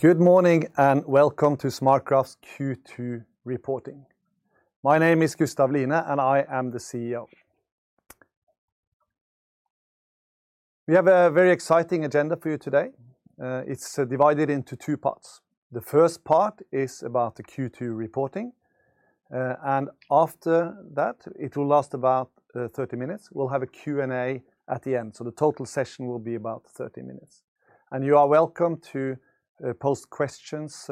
Good morning, and welcome to SmartCraft's Q2 reporting. My name is Gustav Line, and I am the CEO. We have a very exciting agenda for you today. It's divided into two parts. The first part is about the Q2 reporting, and after that, it will last about 30 minutes. We'll have a Q&A at the end. The total session will be about 30 minutes. You are welcome to post questions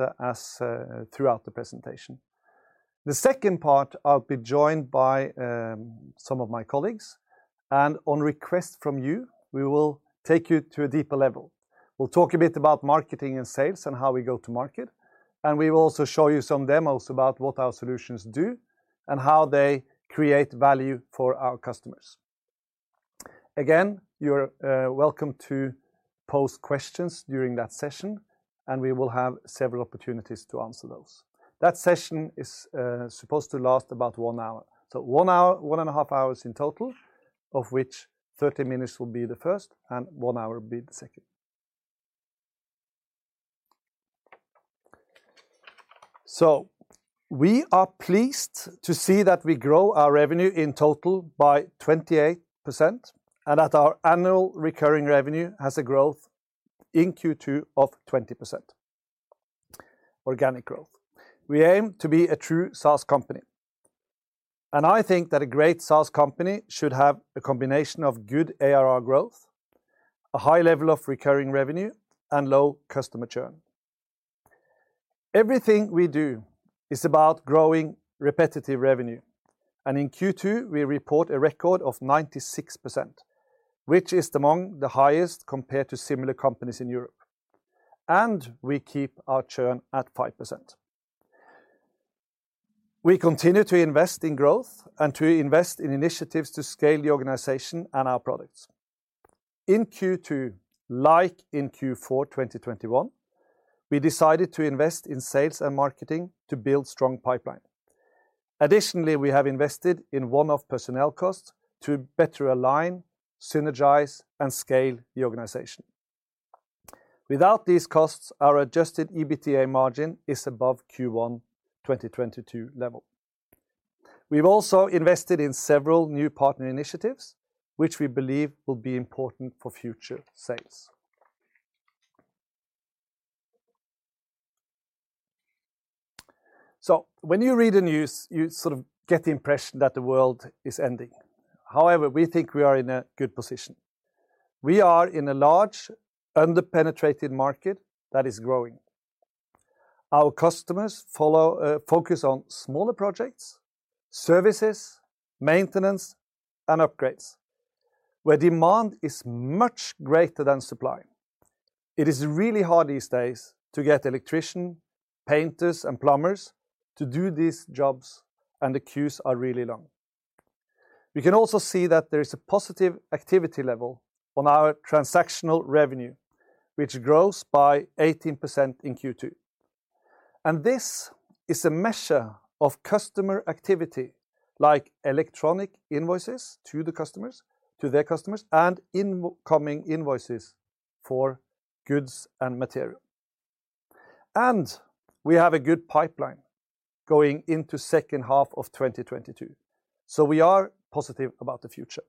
throughout the presentation. The second part, I'll be joined by some of my colleagues, and on request from you, we will take you to a deeper level. We'll talk a bit about marketing and sales and how we go-to-market, and we will also show you some demos about what our solutions do and how they create value for our customers. Again, you're welcome to post questions during that session, and we will have several opportunities to answer those. That session is supposed to last about one hour. One and a half hours in total, of which 30 minutes will be the first, and one hour will be the second. We are pleased to see that we grow our revenue in total by 28% and that our annual recurring revenue has a growth in Q2 of 20%, organic growth. We aim to be a true SaaS company, and I think that a great SaaS company should have a combination of good ARR growth, a high level of recurring revenue, and low customer churn. Everything we do is about growing repetitive revenue, and in Q2, we report a record of 96%, which is among the highest compared to similar companies in Europe, and we keep our churn at 5%. We continue to invest in growth and to invest in initiatives to scale the organization and our products. In Q2, like in Q4 2021, we decided to invest in sales and marketing to build strong pipeline. Additionally, we have invested in one-off personnel costs to better align, synergize, and scale the organization. Without these costs, our adjusted EBITDA margin is above Q1 2022 level. We've also invested in several new partner initiatives, which we believe will be important for future sales. When you read the news, you sort of get the impression that the world is ending. However, we think we are in a good position. We are in a large, under-penetrated market that is growing. Our customers focus on smaller projects, services, maintenance, and upgrades, where demand is much greater than supply. It is really hard these days to get electricians, painters, and plumbers to do these jobs, and the queues are really long. We can also see that there is a positive activity level on our transactional revenue, which grows by 18% in Q2. This is a measure of customer activity, like electronic invoices to the customers, to their customers, and incoming invoices for goods and material. We have a good pipeline going into second half of 2022, so we are positive about the future.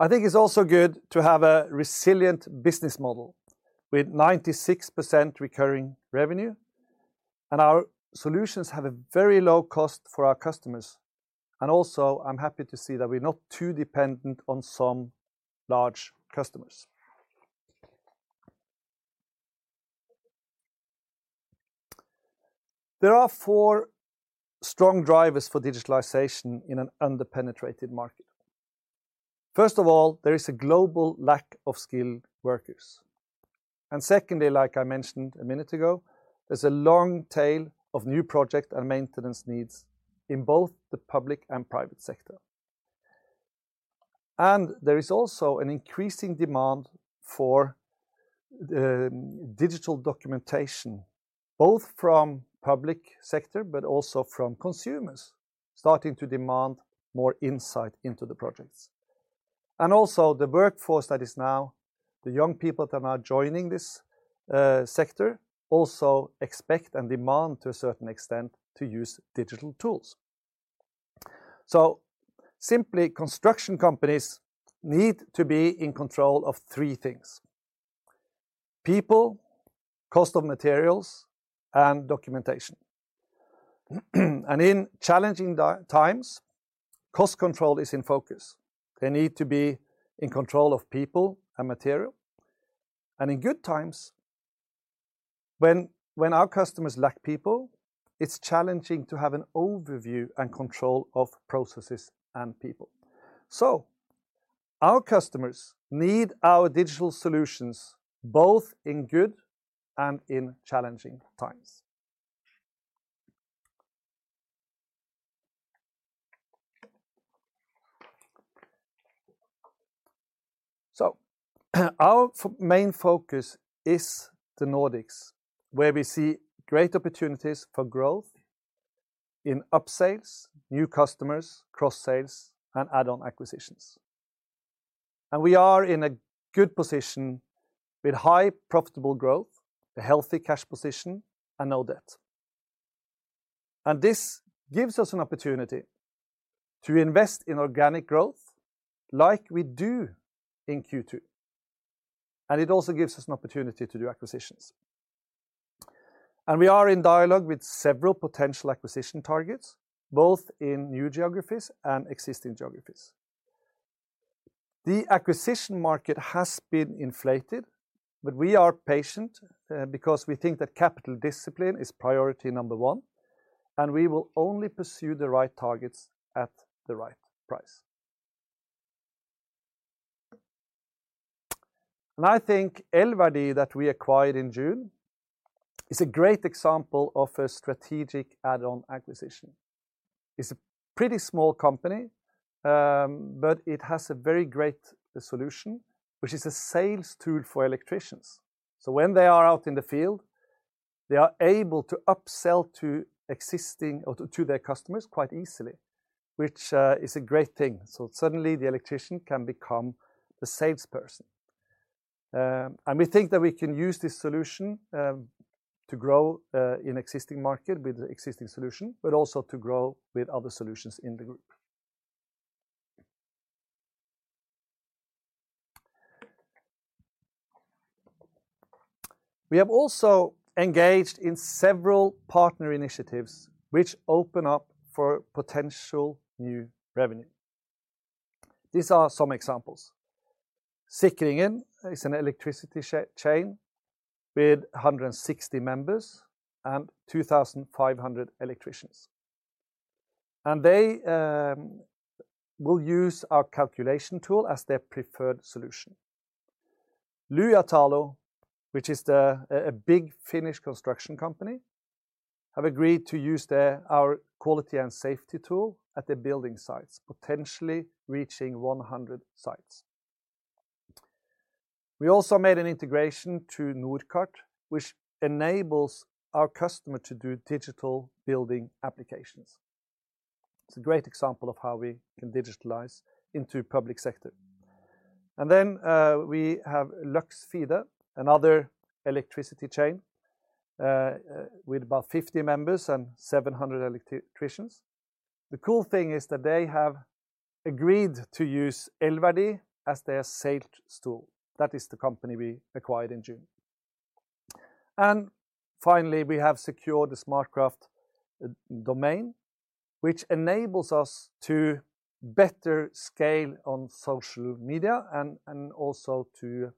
I think it's also good to have a resilient business model with 96% recurring revenue, and our solutions have a very low cost for our customers. I'm happy to see that we're not too dependent on some large customers. There are four strong drivers for digitalization in an under-penetrated market. First of all, there is a global lack of skilled workers. Secondly, like I mentioned a minute ago, there's a long tail of new project and maintenance needs in both the public and private sector. There is also an increasing demand for digital documentation, both from public sector, but also from consumers starting to demand more insight into the projects. The young people that are joining this sector also expect and demand, to a certain extent, to use digital tools. Simply, construction companies need to be in control of three things, people, cost of materials, and documentation. In challenging times, cost control is in focus. They need to be in control of people and material. In good times, when our customers lack people, it's challenging to have an overview and control of processes and people. Our customers need our digital solutions both in good and in challenging times. Our main focus is the Nordics, where we see great opportunities for growth in upsales, new customers, cross-sales, and add-on acquisitions. We are in a good position with high profitable growth, a healthy cash position, and no debt. This gives us an opportunity to invest in organic growth like we do in Q2, and it also gives us an opportunity to do acquisitions. We are in dialogue with several potential acquisition targets, both in new geographies and existing geographies. The acquisition market has been inflated, but we are patient, because we think that capital discipline is priority number one, and we will only pursue the right targets at the right price. I think Elverdi that we acquired in June is a great example of a strategic add-on acquisition. It's a pretty small company, but it has a very great solution, which is a sales tool for electricians. When they are out in the field, they are able to upsell to existing or to their customers quite easily, which is a great thing. Suddenly the electrician can become the salesperson. We think that we can use this solution to grow in existing market with the existing solution, but also to grow with other solutions in the group. We have also engaged in several partner initiatives which open up for potential new revenue. These are some examples. Sikringen is an electricity chain with 160 members and 2,500 electricians, and they will use our calculation tool as their preferred solution. Lujatalo, which is a big Finnish construction company, have agreed to use our quality and safety tool at their building sites, potentially reaching 100 sites. We also made an integration to Norkart, which enables our customer to do digital building applications. It's a great example of how we can digitalize into public sector. We have Lux Fide, another electricity chain, with about 50 members and 700 electricians. The cool thing is that they have agreed to use Elverdi as their sales tool. That is the company we acquired in June. Finally, we have secured the SmartCraft domain, which enables us to better scale on social media and also to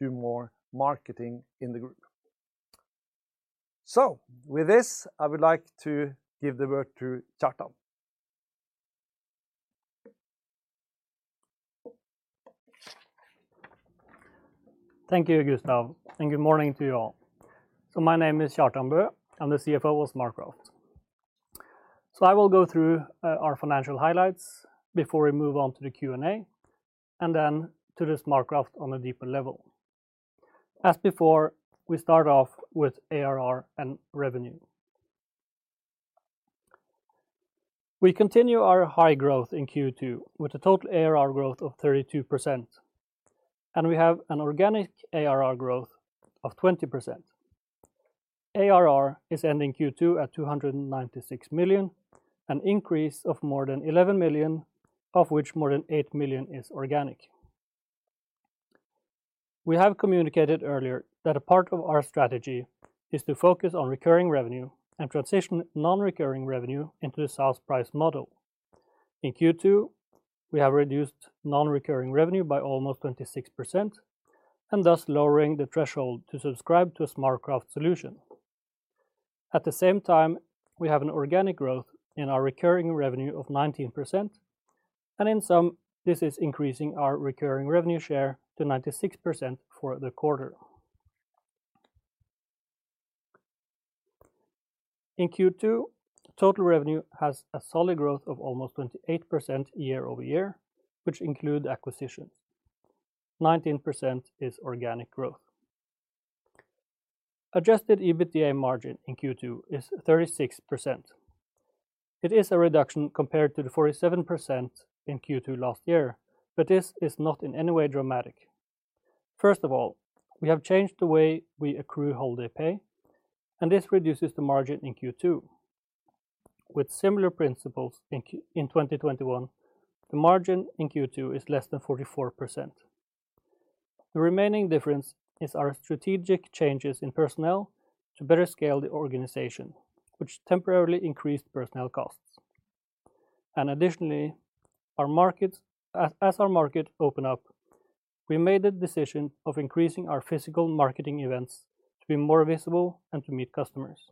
do more marketing in the group. With this, I would like to give the word to Kjartan. Thank you, Gustav, and good morning to you all. My name is Kjartan Bø. I'm the CFO of SmartCraft. I will go through our financial highlights before we move on to the Q&A and then to the SmartCraft on a deeper level. As before, we start off with ARR and revenue. We continue our high growth in Q2 with a total ARR growth of 32%, and we have an organic ARR growth of 20%. ARR is ending Q2 at 296 million, an increase of more than 11 million, of which more than 8 million is organic. We have communicated earlier that a part of our strategy is to focus on recurring revenue and transition non-recurring revenue into a SaaS price model. In Q2, we have reduced non-recurring revenue by almost 26% and thus lowering the threshold to subscribe to a SmartCraft solution. At the same time, we have an organic growth in our recurring revenue of 19%, and in sum, this is increasing our recurring revenue share to 96% for the quarter. In Q2, total revenue has a solid growth of almost 28% year-over-year, which include acquisitions. 19% is organic growth. Adjusted EBITDA margin in Q2 is 36%. It is a reduction compared to the 47% in Q2 last year, but this is not in any way dramatic. First of all, we have changed the way we accrue holiday pay, and this reduces the margin in Q2. With similar principles in 2021, the margin in Q2 is less than 44%. The remaining difference is our strategic changes in personnel to better scale the organization, which temporarily increased personnel costs. Additionally, our markets, as our markets open up, we made the decision of increasing our physical marketing events to be more visible and to meet customers.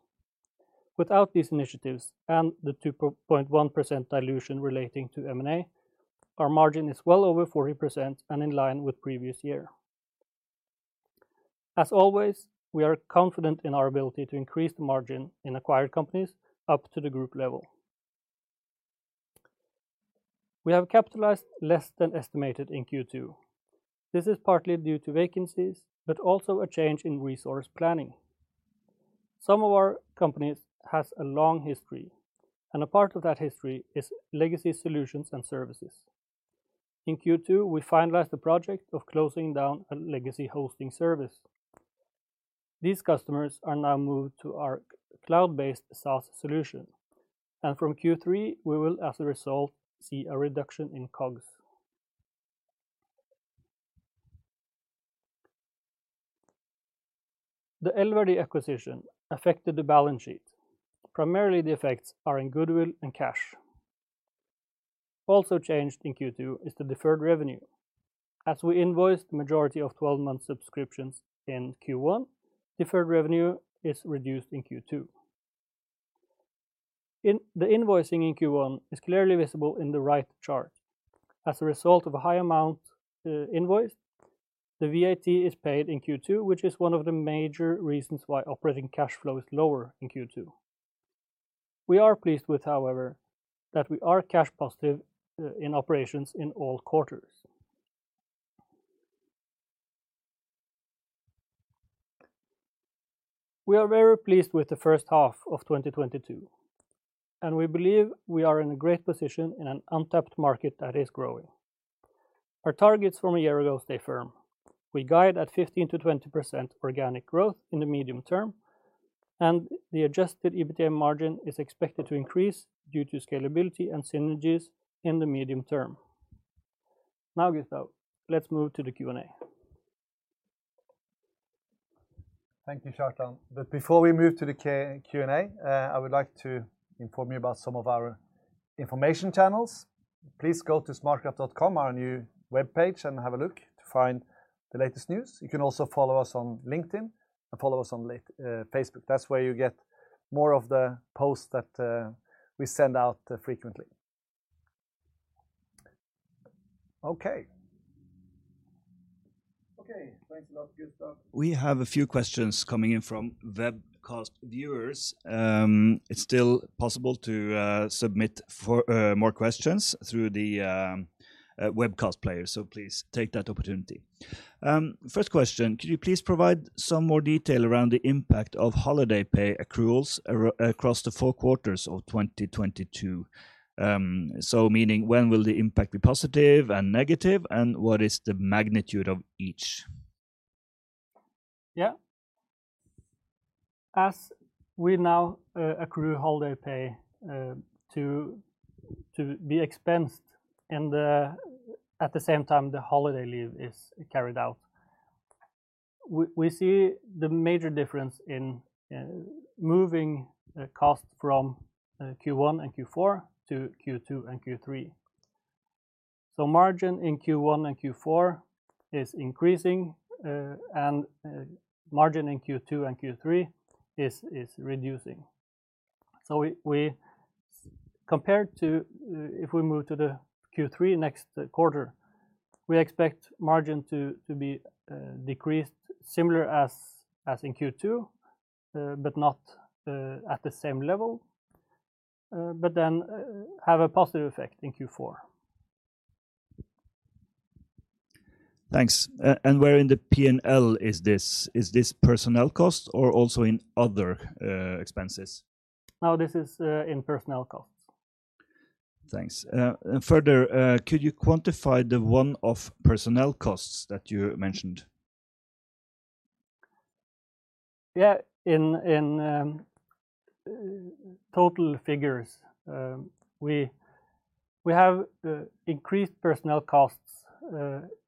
Without these initiatives and the 2.1% dilution relating to M&A, our margin is well over 40% and in line with previous year. As always, we are confident in our ability to increase the margin in acquired companies up to the group level. We have capitalized less than estimated in Q2. This is partly due to vacancies, but also a change in resource planning. Some of our companies have a long history, and a part of that history is legacy solutions and services. In Q2, we finalized the project of closing down a legacy hosting service. These customers are now moved to our cloud-based SaaS solution, and from Q3, we will as a result see a reduction in COGS. The Elverdi acquisition affected the balance sheet. Primarily, the effects are in goodwill and cash. Also changed in Q2 is the deferred revenue. As we invoiced the majority of 12-month subscriptions in Q1, deferred revenue is reduced in Q2. The invoicing in Q1 is clearly visible in the right chart. As a result of a high amount invoiced, the VAT is paid in Q2, which is one of the major reasons why operating cash flow is lower in Q2. We are pleased with, however, that we are cash positive in operations in all quarters. We are very pleased with the first half of 2022, and we believe we are in a great position in an untapped market that is growing. Our targets from a year ago stay firm. We guide at 15%-20% organic growth in the medium term, and the adjusted EBITDA margin is expected to increase due to scalability and synergies in the medium term. Now, Gustav, let's move to the Q&A. Thank you, Kjartan. Before we move to the Q&A, I would like to inform you about some of our information channels. Please go to smartcraft.com, our new webpage, and have a look to find the latest news. You can also follow us on LinkedIn and follow us on Facebook. That's where you get more of the posts that we send out frequently. Okay. Thanks a lot, Gustav. We have a few questions coming in from webcast viewers. It's still possible to submit more questions through the webcast player, so please take that opportunity. First question, could you please provide some more detail around the impact of holiday pay accruals across the four quarters of 2022? Meaning when will the impact be positive and negative, and what is the magnitude of each? As we now accrue holiday pay to be expensed at the same time the holiday leave is carried out, we see the major difference in moving the cost from Q1 and Q4 to Q2 and Q3. Margin in Q1 and Q4 is increasing, and margin in Q2 and Q3 is reducing. Compared to if we move to the Q3 next quarter, we expect margin to be decreased similar as in Q2, but not at the same level, but then have a positive effect in Q4. Thanks. Where in the P&L is this? Is this personnel costs or also in other expenses? No, this is in personnel costs. Thanks. Further, could you quantify the one-off personnel costs that you mentioned? Yeah. In total figures, we have increased personnel costs,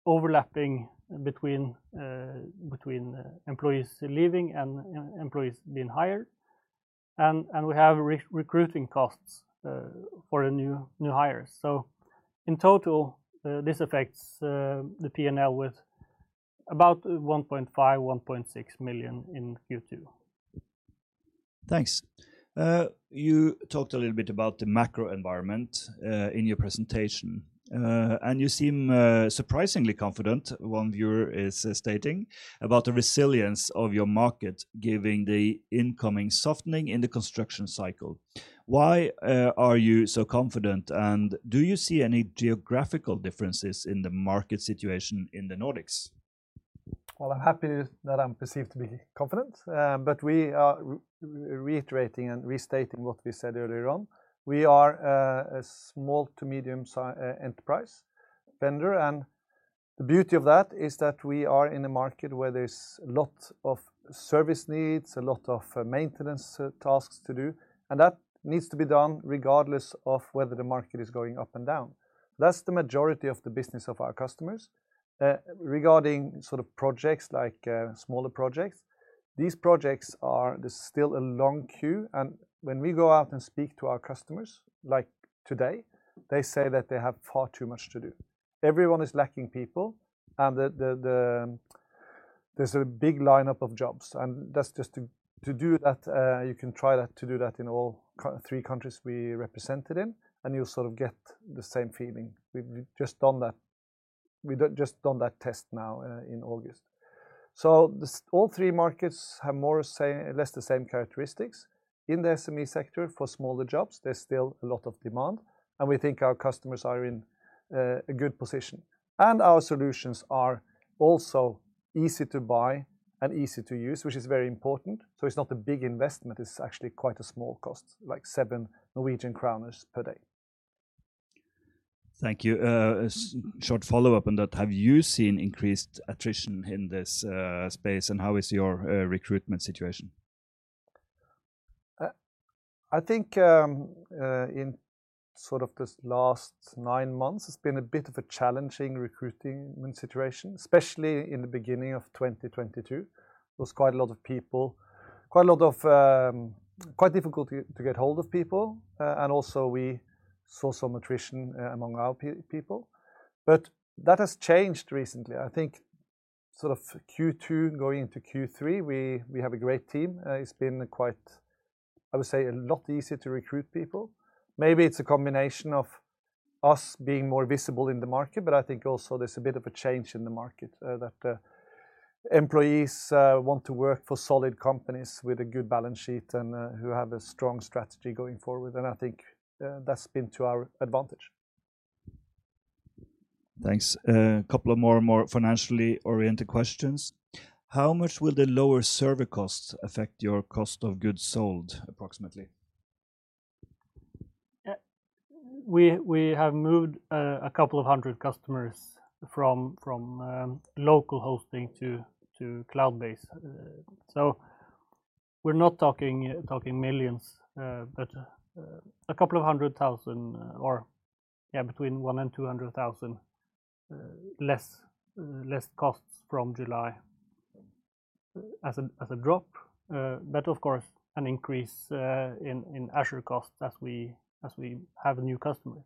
overlapping between employees leaving and employees being hired, and we have recruiting costs for the new hires. In total, this affects the P&L with about 1.5 million-1.6 million in Q2. Thanks. You talked a little bit about the macro environment in your presentation, and you seem surprisingly confident, one viewer is stating, about the resilience of your market giving the incoming softening in the construction cycle. Why are you so confident, and do you see any geographical differences in the market situation in the Nordics? Well, I'm happy that I'm perceived to be confident, but we are reiterating and restating what we said earlier on. We are a small to medium enterprise vendor, and the beauty of that is that we are in a market where there's a lot of service needs, a lot of maintenance tasks to do, and that needs to be done regardless of whether the market is going up and down. That's the majority of the business of our customers. Regarding sort of projects like smaller projects, these projects are. There's still a long queue. When we go out and speak to our customers, like today, they say that they have far too much to do. Everyone is lacking people, and there's a big lineup of jobs. That's just to do that, you can try that, to do that in all three countries we're represented in, and you'll sort of get the same feeling. We've just done that test now, in August. All three markets have more or less the same characteristics. In the SME sector for smaller jobs, there's still a lot of demand, and we think our customers are in a good position. Our solutions are also easy to buy and easy to use, which is very important. It's not a big investment, it's actually quite a small cost, like 7 Norwegian kroner per day. Thank you. Short follow-up on that. Have you seen increased attrition in this space, and how is your recruitment situation? I think in sort of this last nine months it's been a bit of a challenging recruiting situation, especially in the beginning of 2022. It was quite difficult to get hold of people, and also we saw some attrition among our people. That has changed recently. I think sort of Q2 going into Q3, we have a great team. It's been quite, I would say, a lot easier to recruit people. Maybe it's a combination of us being more visible in the market, but I think also there's a bit of a change in the market that employees want to work for solid companies with a good balance sheet and who have a strong strategy going forward, and I think that's been to our advantage. Thanks. Couple of more financially oriented questions. How much will the lower server costs affect your cost of goods sold approximately? Yeah. We have moved a couple of 100 customers from local hosting to cloud-based. So we're not talking millions, but a couple of 100,000, or between 100,000 and 200,000 less costs from July as a drop. But of course, an increase in actual costs as we have new customers.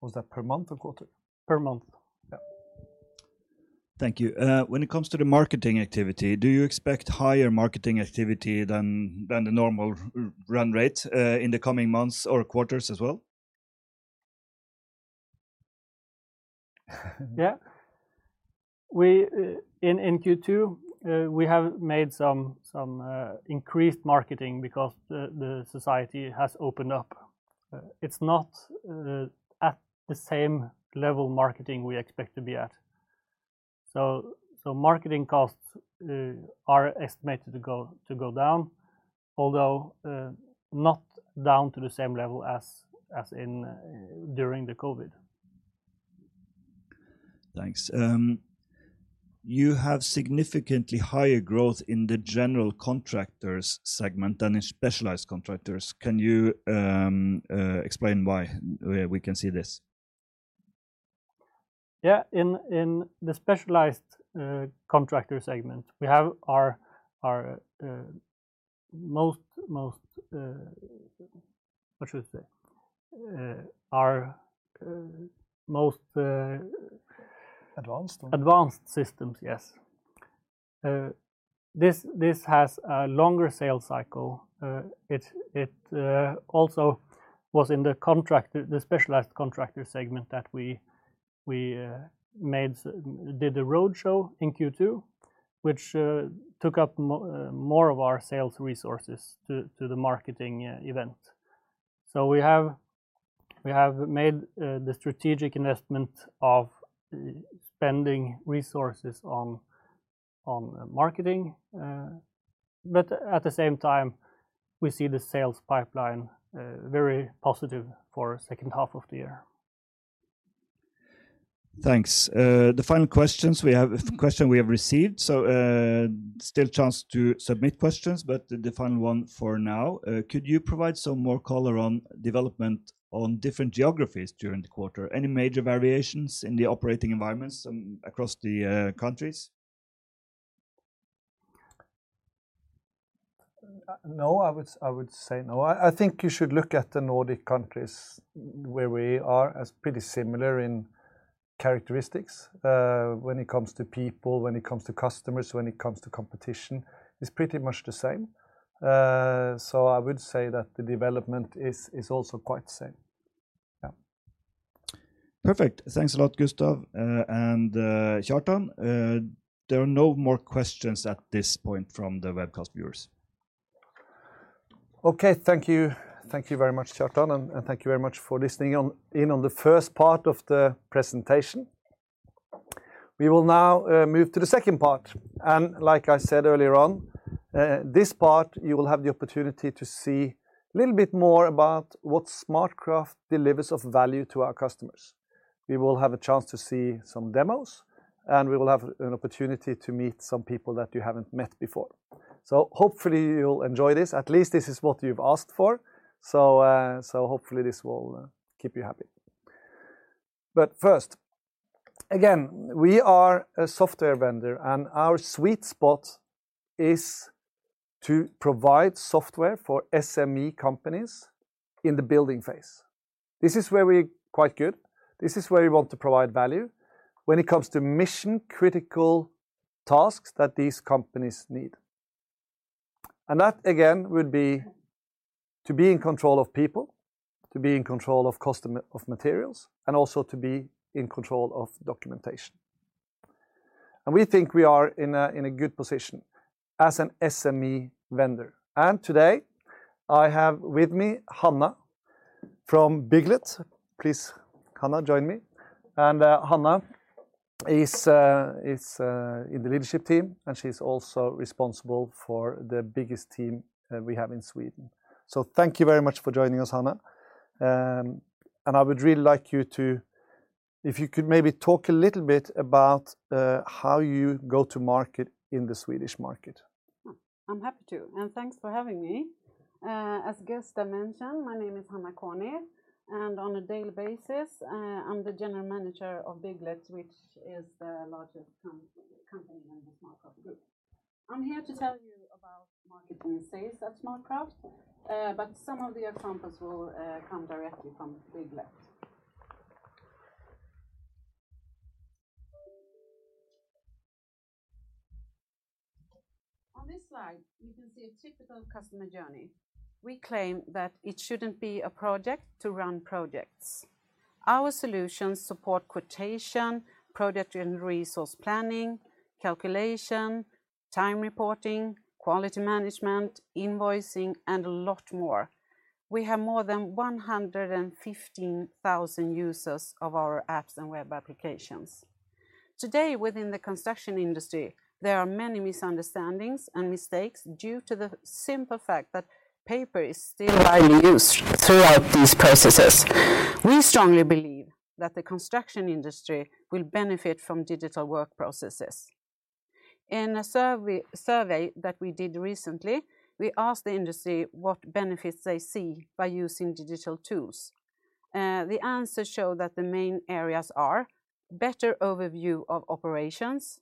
Was that per month or quarter? Per month. Yeah. Thank you. When it comes to the marketing activity, do you expect higher marketing activity than the normal run rate in the coming months or quarters as well? Yeah. We in Q2 have made some increased marketing because the society has opened up. It's not at the same level of marketing we expect to be at. Marketing costs are estimated to go down, although not down to the same level as in during the COVID. Thanks. You have significantly higher growth in the general contractors segment than in specialized contractors. Can you explain why we can see this? Yeah. In the specialized contractor segment, we have our most Advanced ones. Advanced systems, yes. This has a longer sales cycle. It also was in the specialized contractor segment that we did the roadshow in Q2, which took up more of our sales resources to the marketing event. We have made the strategic investment of spending resources on marketing. At the same time, we see the sales pipeline very positive for second half of the year. Thanks. The final question we have received, still chance to submit questions, but the final one for now. Could you provide some more color on development on different geographies during the quarter? Any major variations in the operating environments across the countries? No. I would say no. I think you should look at the Nordic countries where we are as pretty similar in characteristics. When it comes to people, when it comes to customers, when it comes to competition, it's pretty much the same. I would say that the development is also quite the same. Yeah. Perfect. Thanks a lot, Gustav, and Kjartan. There are no more questions at this point from the webcast viewers. Okay. Thank you. Thank you very much, Kjartan, and thank you very much for listening in on the first part of the presentation. We will now move to the second part. Like I said earlier on, this part you will have the opportunity to see little bit more about what SmartCraft delivers of value to our customers. We will have a chance to see some demos, and we will have an opportunity to meet some people that you haven't met before. Hopefully you'll enjoy this. At least this is what you've asked for, so hopefully this will keep you happy. First, again, we are a software vendor, and our sweet spot is to provide software for SME companies in the building phase. This is where we're quite good. This is where we want to provide value when it comes to mission critical tasks that these companies need. That again would be to be in control of people, to be in control of materials, and also to be in control of documentation. We think we are in a good position as an SME vendor. Today, I have with me Hanna from Bygglet. Please, Hanna, join me. Hanna is in the leadership team, and she's also responsible for the biggest team we have in Sweden. Thank you very much for joining us, Hanna. I would really like you to. If you could maybe talk a little bit about how you go-to-market in the Swedish market. I'm happy to. Thanks for having me. As Gustav mentioned, my name is Hanna Konyi, and on a daily basis, I'm the General Manager of Bygglet, which is the largest company in the SmartCraft group. I'm here to tell you about marketing and sales at SmartCraft, but some of the examples will come directly from Bygglet. On this slide, you can see a typical customer journey. We claim that it shouldn't be a project to run projects. Our solutions support quotation, project and resource planning, calculation, time reporting, quality management, invoicing, and a lot more. We have more than 115,000 users of our apps and web applications. Today, within the construction industry, there are many misunderstandings and mistakes due to the simple fact that paper is still widely used throughout these processes. We strongly believe that the construction industry will benefit from digital work processes. In a survey that we did recently, we asked the industry what benefits they see by using digital tools. The answers show that the main areas are better overview of operations,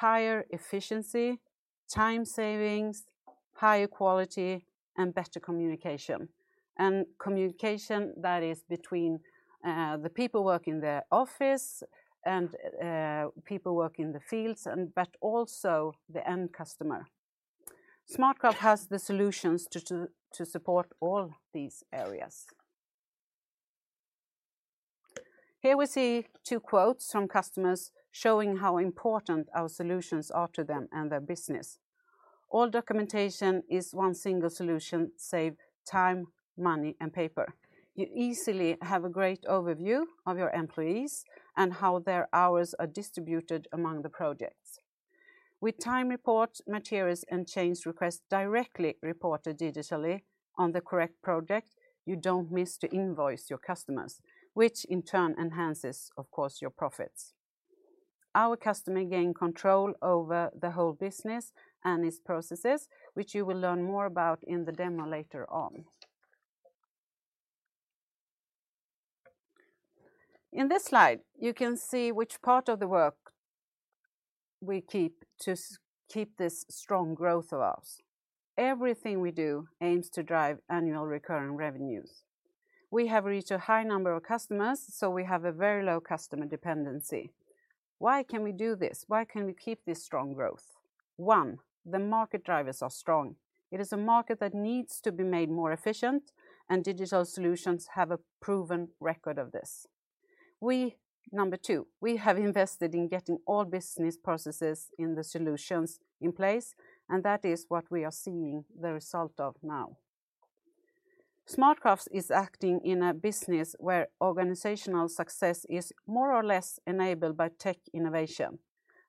higher efficiency, time savings, higher quality, and better communication. Communication, that is between the people working in the office and people working in the fields and, but also the end customer. SmartCraft has the solutions to support all these areas. Here we see two quotes from customers showing how important our solutions are to them and their business. All documentation is one single solution, save time, money, and paper. You easily have a great overview of your employees and how their hours are distributed among the projects. With time reports, materials, and change requests directly reported digitally on the correct project, you don't miss to invoice your customers, which in turn enhances, of course, your profits. Our customers gain control over the whole business and its processes, which you will learn more about in the demo later on. In this slide, you can see which part of the work we keep to keep this strong growth of ours. Everything we do aims to drive annual recurring revenues. We have reached a high number of customers, so we have a very low customer dependency. Why can we do this? Why can we keep this strong growth? One, the market drivers are strong. It is a market that needs to be made more efficient, and digital solutions have a proven record of this. Number two, we have invested in getting all business processes in the solutions in place, and that is what we are seeing the result of now. SmartCraft is acting in a business where organizational success is more or less enabled by tech innovation.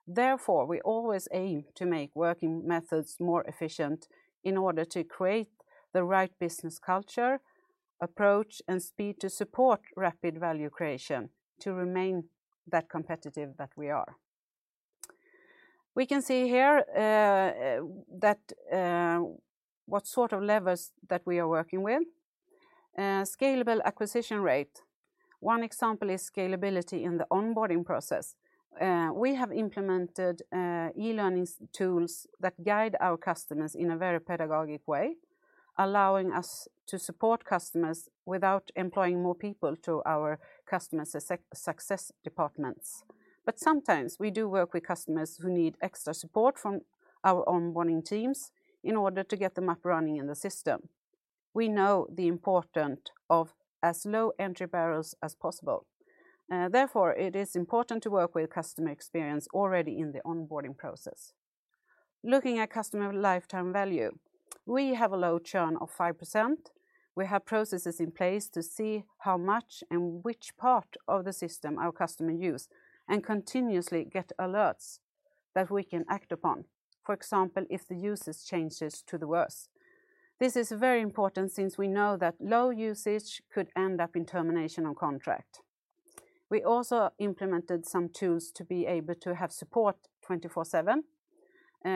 Therefore, we always aim to make working methods more efficient in order to create the right business culture, approach, and speed to support rapid value creation to remain that competitive that we are. We can see here that what sort of levers that we are working with. Scalable acquisition rate. One example is scalability in the onboarding process. We have implemented e-learning tools that guide our customers in a very pedagogic way, allowing us to support customers without employing more people to our customer success departments. Sometimes we do work with customers who need extra support from our onboarding teams in order to get them up running in the system. We know the importance of as low entry barriers as possible. Therefore, it is important to work with customer experience already in the onboarding process. Looking at customer lifetime value, we have a low churn of 5%. We have processes in place to see how much and which part of the system our customer use and continuously get alerts that we can act upon. For example, if the usage changes for the worse. This is very important since we know that low usage could end up in termination of contract. We also implemented some tools to be able to have support 24/7.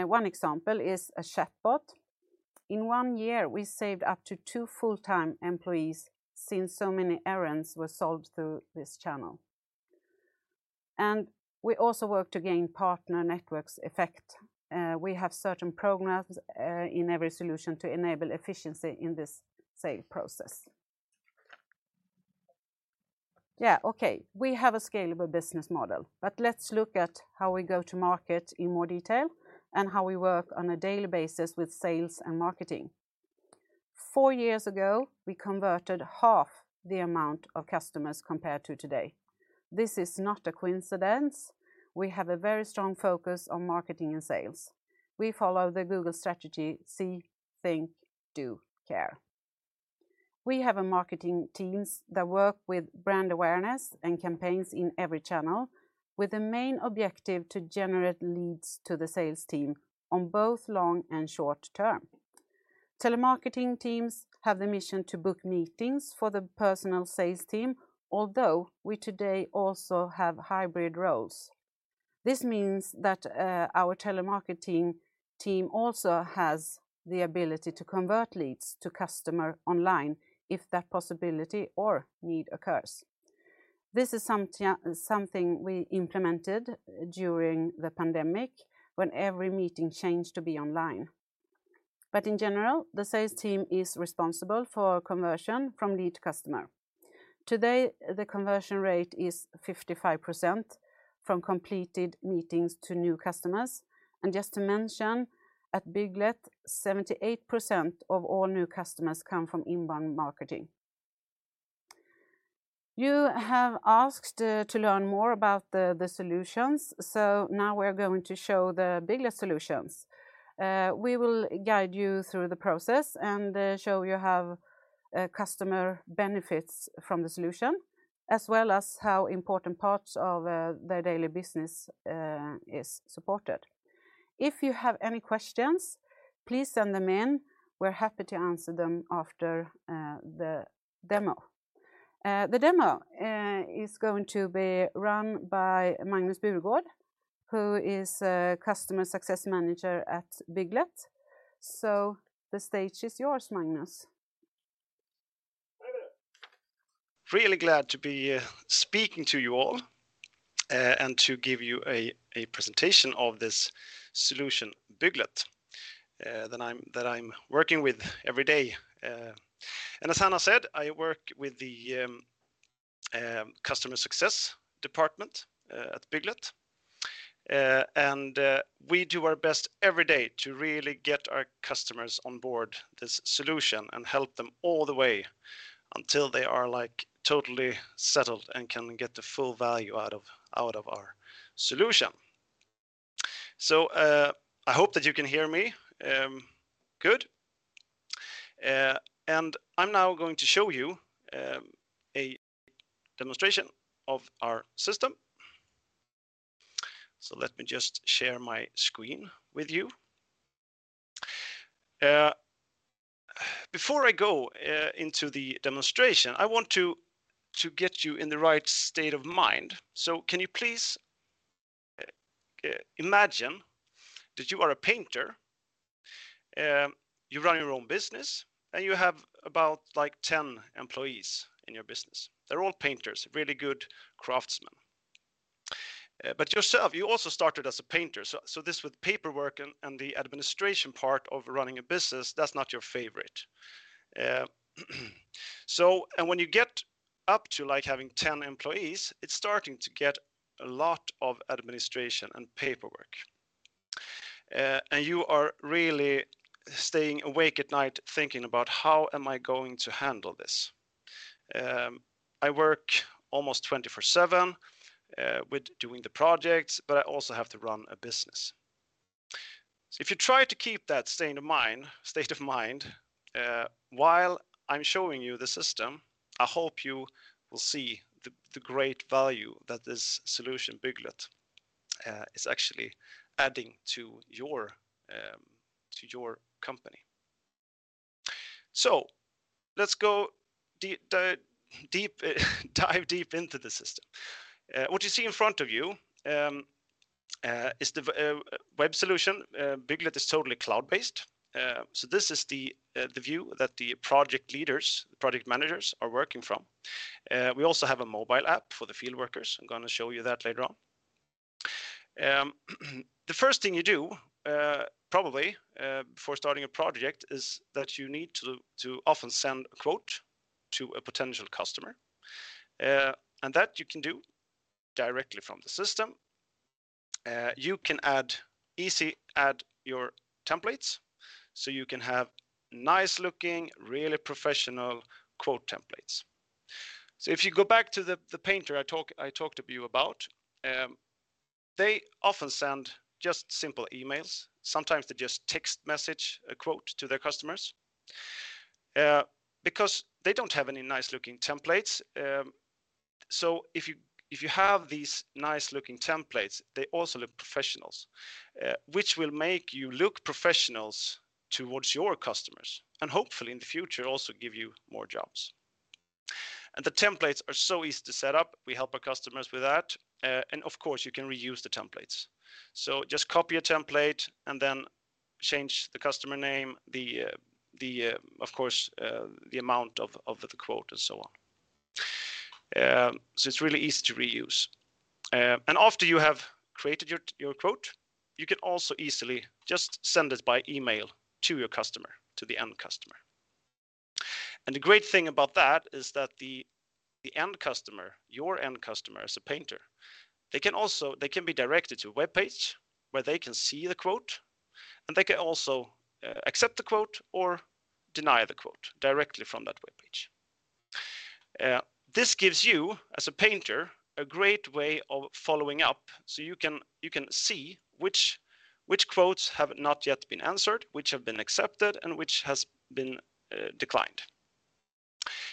One example is a chatbot. In one year, we saved up to two full-time employees since so many errands were solved through this channel. We also work to gain partner network effects. We have certain programs in every solution to enable efficiency in this sales process. We have a scalable business model, but let's look at how we go-to-market in more detail and how we work on a daily basis with sales and marketing. Four years ago, we converted half the amount of customers compared to today. This is not a coincidence. We have a very strong focus on marketing and sales. We follow the Google strategy, See, Think, Do, Care. We have marketing teams that work with brand awareness and campaigns in every channel, with the main objective to generate leads to the sales team on both long and short term. Telemarketing teams have the mission to book meetings for the personal sales team, although we today also have hybrid roles. This means that our telemarketing team also has the ability to convert leads to customer online if that possibility or need occurs. This is something we implemented during the pandemic when every meeting changed to be online. In general, the sales team is responsible for conversion from lead customer. Today, the conversion rate is 55% from completed meetings to new customers. Just to mention, at Bygglet, 78% of all new customers come from inbound marketing. You have asked to learn more about the solutions, so now we're going to show the Bygglet solutions. We will guide you through the process and show you how a customer benefits from the solution, as well as how important parts of their daily business is supported. If you have any questions, please send them in. We're happy to answer them after the demo. The demo is going to be run by Magnus Buregård, who is a Customer Success Manager at Bygglet. The stage is yours, Magnus. Really glad to be speaking to you all and to give you a presentation of this solution, Bygglet, that I'm working with every day. As Hanna said, I work with the customer success department at Bygglet. We do our best every day to really get our customers on board this solution and help them all the way until they are like totally settled and can get the full value out of our solution. I hope that you can hear me good. I'm now going to show you a demonstration of our system. Let me just share my screen with you. Before I go into the demonstration, I want to get you in the right state of mind. Can you please imagine that you are a painter, you run your own business, and you have about like 10 employees in your business. They're all painters, really good craftsmen. Yourself, you also started as a painter. This with paperwork and the administration part of running a business, that's not your favorite. When you get up to like having 10 employees, it's starting to get a lot of administration and paperwork. You are really staying awake at night thinking about, "How am I going to handle this? I work almost 24/7 with doing the projects, but I also have to run a business." If you try to keep that state of mind while I'm showing you the system, I hope you will see the great value that this solution, Bygglet, is actually adding to your company. Let's dive deep into the system. What you see in front of you is the web solution. Bygglet is totally cloud-based. This is the view that the project leaders, project managers are working from. We also have a mobile app for the fieldworkers. I'm going to show you that later on. The first thing you do, probably, before starting a project is that you need to often send a quote to a potential customer, and that you can do directly from the system. You can add your templates, so you can have nice-looking, really professional quote templates. If you go back to the painter I talked to you about, they often send just simple emails. Sometimes they just text message a quote to their customers, because they don't have any nice-looking templates. If you have these nice-looking templates, they also look professionals, which will make you look professionals towards your customers and hopefully in the future also give you more jobs. The templates are so easy to set up. We help our customers with that. Of course, you can reuse the templates. Just copy a template and then change the customer name, the, of course, the amount of the quote and so on. It's really easy to reuse. After you have created your quote, you can also easily just send it by email to your customer, to the end customer. The great thing about that is that the end customer, your end customer as a painter, they can also be directed to a webpage where they can see the quote and they can also accept the quote or deny the quote directly from that webpage. This gives you as a painter a great way of following up, so you can see which quotes have not yet been answered, which have been accepted, and which has been declined.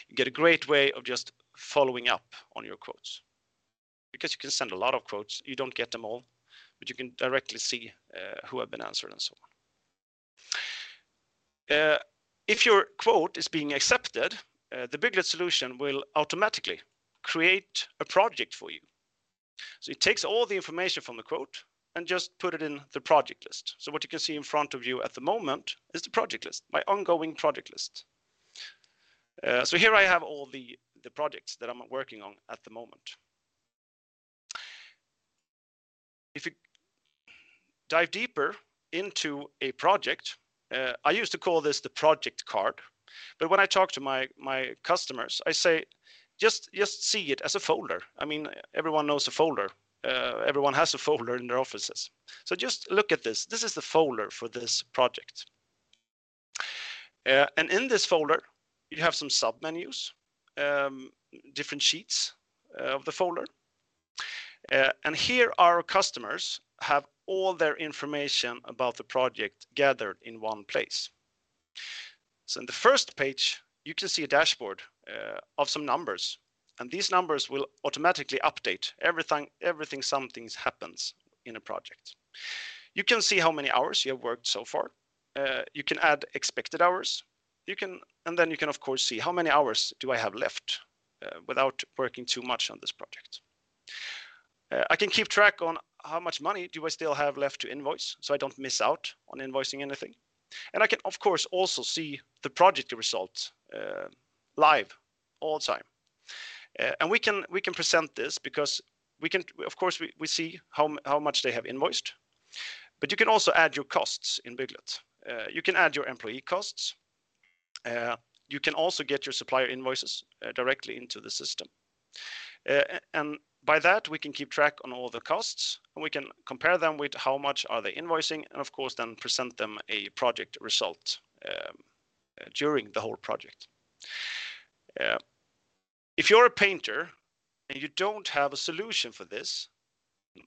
You get a great way of just following up on your quotes because you can send a lot of quotes. You don't get them all, but you can directly see who have been answered and so on. If your quote is being accepted, the Bygglet solution will automatically create a project for you. It takes all the information from the quote and just put it in the project list. What you can see in front of you at the moment is the project list. My ongoing project list. Here I have all the projects that I'm working on at the moment. If you dive deeper into a project, I used to call this the project card, but when I talk to my customers, I say, "Just see it as a folder." I mean, everyone knows a folder. Everyone has a folder in their offices. Just look at this. This is the folder for this project. In this folder you have some submenus, different sheets of the folder. Here our customers have all their information about the project gathered in one place. In the first page you can see a dashboard of some numbers, and these numbers will automatically update every time something happens in a project. You can see how many hours you have worked so far. You can add expected hours. You can of course see how many hours do I have left without working too much on this project. I can keep track on how much money do I still have left to invoice, so I don't miss out on invoicing anything. I can of course also see the project results live all the time. We can present this because we can of course see how much they have invoiced, but you can also add your costs in Bygglet. You can add your employee costs. You can also get your supplier invoices directly into the system. By that we can keep track on all the costs and we can compare them with how much are they invoicing and of course then present them a project result, during the whole project. If you're a painter and you don't have a solution for this,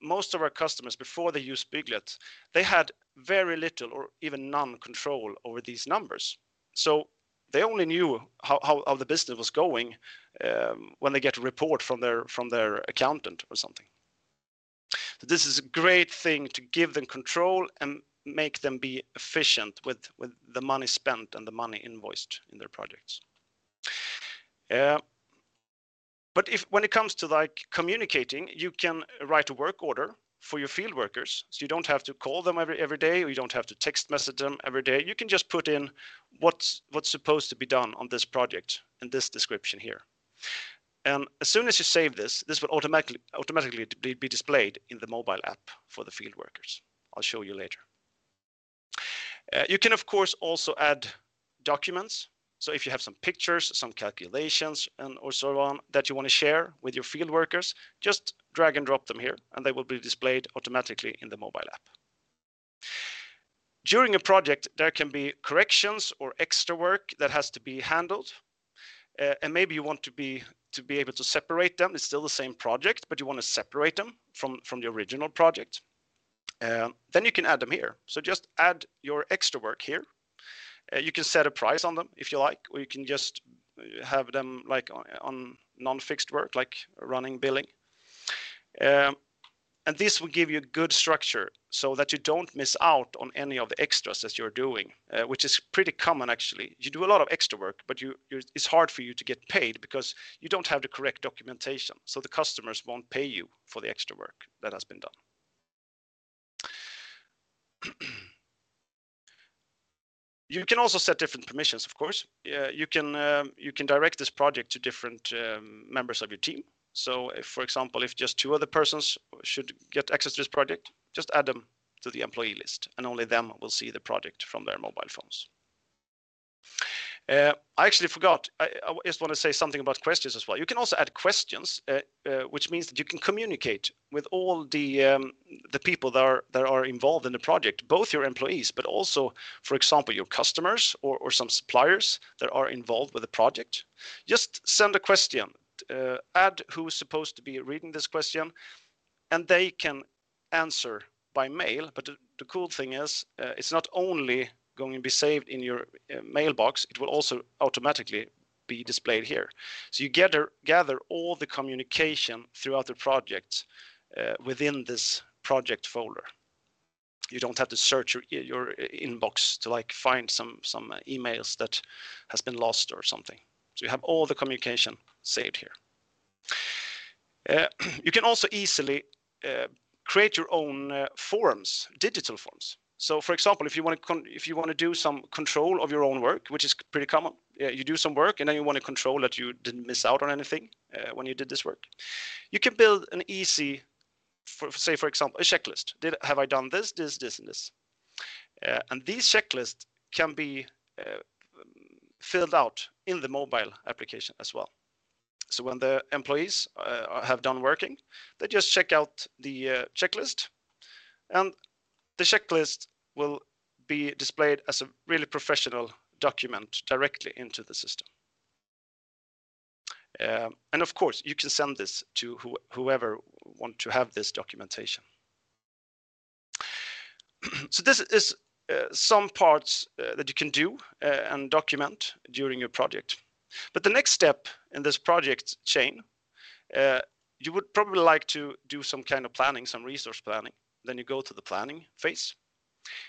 most of our customers, before they use Bygglet, they had very little or even none control over these numbers, so they only knew how the business was going, when they get a report from their accountant or something. This is a great thing to give them control and make them be efficient with the money spent and the money invoiced in their projects. If, when it comes to like communicating, you can write a work order for your field workers so you don't have to call them every day, or you don't have to text message them every day. You can just put in what's supposed to be done on this project and this description here. As soon as you save this will automatically be displayed in the mobile app for the field workers. I'll show you later. You can of course also add documents, so if you have some pictures, some calculations and or so on that you want to share with your field workers, just drag and drop them here and they will be displayed automatically in the mobile app. During a project, there can be corrections or extra work that has to be handled. Maybe you want to be able to separate them. It's still the same project, but you want to separate them from the original project. You can add them here. Just add your extra work here. You can set a price on them if you like, or you can just have them like on non-fixed work like running billing. This will give you good structure so that you don't miss out on any of the extras that you're doing. Which is pretty common actually. You do a lot of extra work, but it's hard for you to get paid because you don't have the correct documentation, so the customers won't pay you for the extra work that has been done. You can also set different permissions, of course. Yeah, you can direct this project to different members of your team. So if, for example, if just two other persons should get access to this project, just add them to the employee list and only them will see the project from their mobile phones. I actually forgot, I just want to say something about questions as well. You can also add questions, which means that you can communicate with all the people that are involved in the project, both your employees but also, for example, your customers or some suppliers that are involved with the project. Just send a question, add who's supposed to be reading this question and they can answer by mail. The cool thing is, it's not only going to be saved in your mailbox, it will also automatically be displayed here. You gather all the communication throughout the project within this project folder. You don't have to search your inbox to like find some emails that has been lost or something. You have all the communication saved here. You can also easily create your own forms, digital forms. For example, if you want to do some control of your own work, which is pretty common, you do some work, and then you want to control that you didn't miss out on anything, when you did this work. You can build an easy, say for example, a checklist. Have I done this, this, and this? These checklists can be filled out in the mobile application as well. When the employees have done working, they just check out the checklist, and the checklist will be displayed as a really professional document directly into the system. Of course, you can send this to whoever want to have this documentation. This is some parts that you can do and document during your project. The next step in this project chain, you would probably like to do some kind of planning, some resource planning. You go to the planning phase.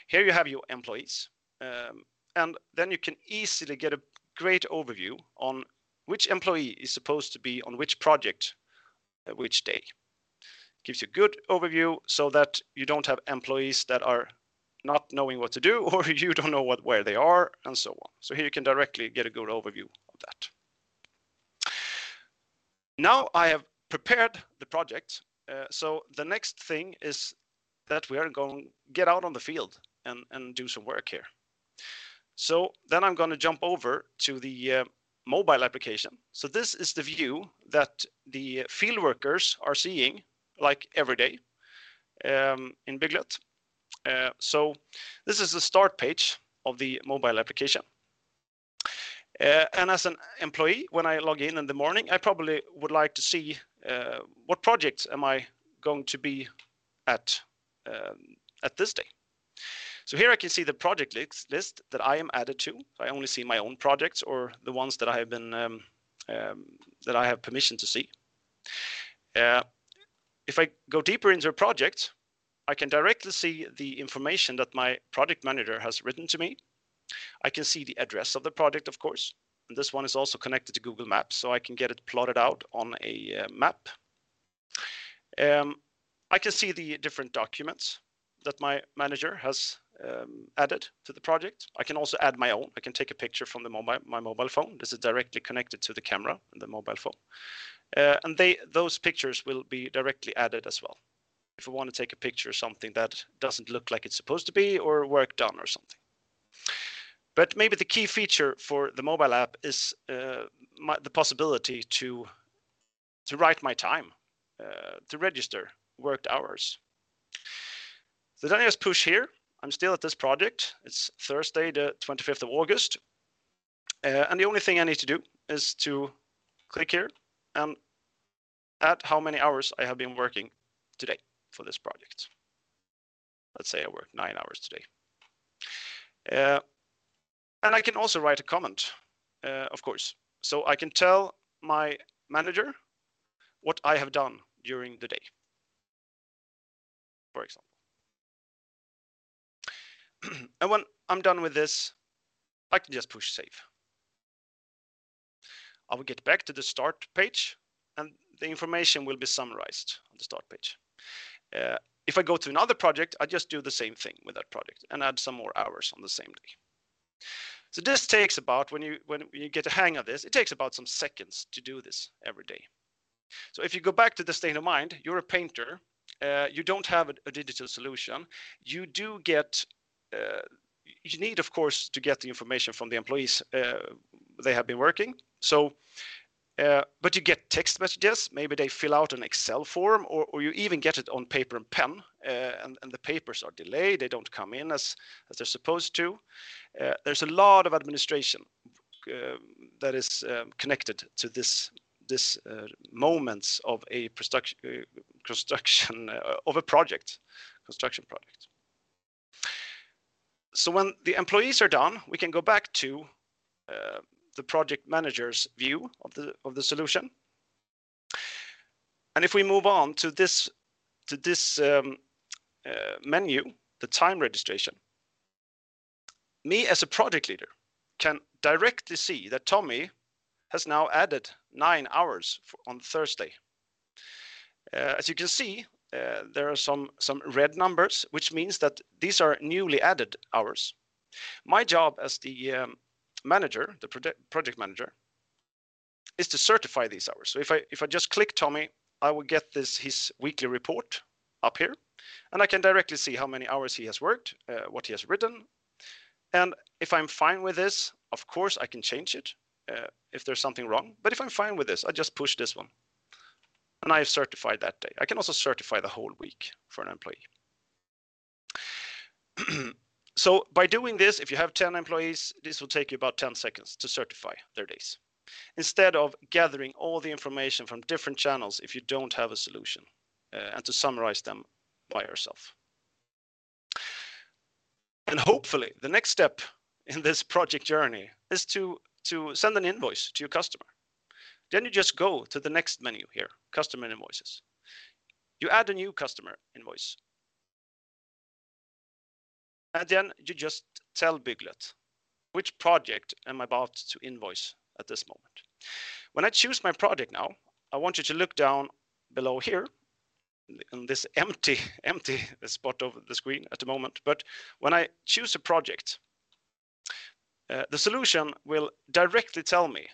Here you have your employees, and then you can easily get a great overview on which employee is supposed to be on which project at which day. Gives you good overview so that you don't have employees that are not knowing what to do, or you don't know where they are, and so on. Here you can directly get a good overview of that. I have prepared the project, so the next thing is that we are going to get out on the field and do some work here. I'm going to jump over to the mobile application. This is the view that the field workers are seeing like every day in Bygglet. This is the start page of the mobile application. As an employee, when I log in the morning, I probably would like to see what projects am I going to be at at this day. Here I can see the project list that I am added to. I only see my own projects or the ones that I have permission to see. If I go deeper into a project, I can directly see the information that my project manager has written to me. I can see the address of the project, of course. This one is also connected to Google Maps, so I can get it plotted out on a map. I can see the different documents that my manager has added to the project. I can also add my own. I can take a picture from my mobile phone. This is directly connected to the camera in the mobile phone. Those pictures will be directly added as well. If I want to take a picture of something that doesn't look like it's supposed to be or work done or something. Maybe the key feature for the mobile app is the possibility to write my time to register worked hours. I just push here. I'm still at this project. It's Thursday, the 25th of August. The only thing I need to do is to click here and add how many hours I have been working today for this project. Let's say I worked nine hours today. I can also write a comment, of course. I can tell my manager what I have done during the day, for example. When I'm done with this, I can just push Save. I will get back to the start page, and the information will be summarized on the start page. If I go to another project, I just do the same thing with that project and add some more hours on the same day. When you get the hang of this, it takes about some seconds to do this every day. If you go back to the state of mind, you're a painter, you don't have a digital solution. You need, of course, to get the information from the employees, they have been working. You get text messages. Maybe they fill out an Excel form, or you even get it on paper and pen, and the papers are delayed. They don't come in as they're supposed to. There's a lot of administration that is connected to these aspects of a construction of a project, construction project. When the employees are done, we can go back to the project manager's view of the solution. If we move on to this menu, the time registration, me as a project leader can directly see that Tommy has now added nine hours on Thursday. As you can see, there are some red numbers, which means that these are newly added hours. My job as the manager, the project manager, is to certify these hours. If I just click Tommy, I will get this, his weekly report up here, and I can directly see how many hours he has worked, what he has written. If I'm fine with this, of course, I can change it if there's something wrong. If I'm fine with this, I just push this one. I have certified that day. I can also certify the whole week for an employee. By doing this, if you have 10 employees, this will take you about 10 seconds to certify their days. Instead of gathering all the information from different channels if you don't have a solution and to summarize them by yourself. Hopefully, the next step in this project journey is to send an invoice to your customer. You just go to the next menu here, Customer Invoices. You add a new customer invoice. You just tell Bygglet which project am I about to invoice at this moment. When I choose my project now, I want you to look down below here in this empty spot of the screen at the moment. When I choose a project, the solution will directly tell me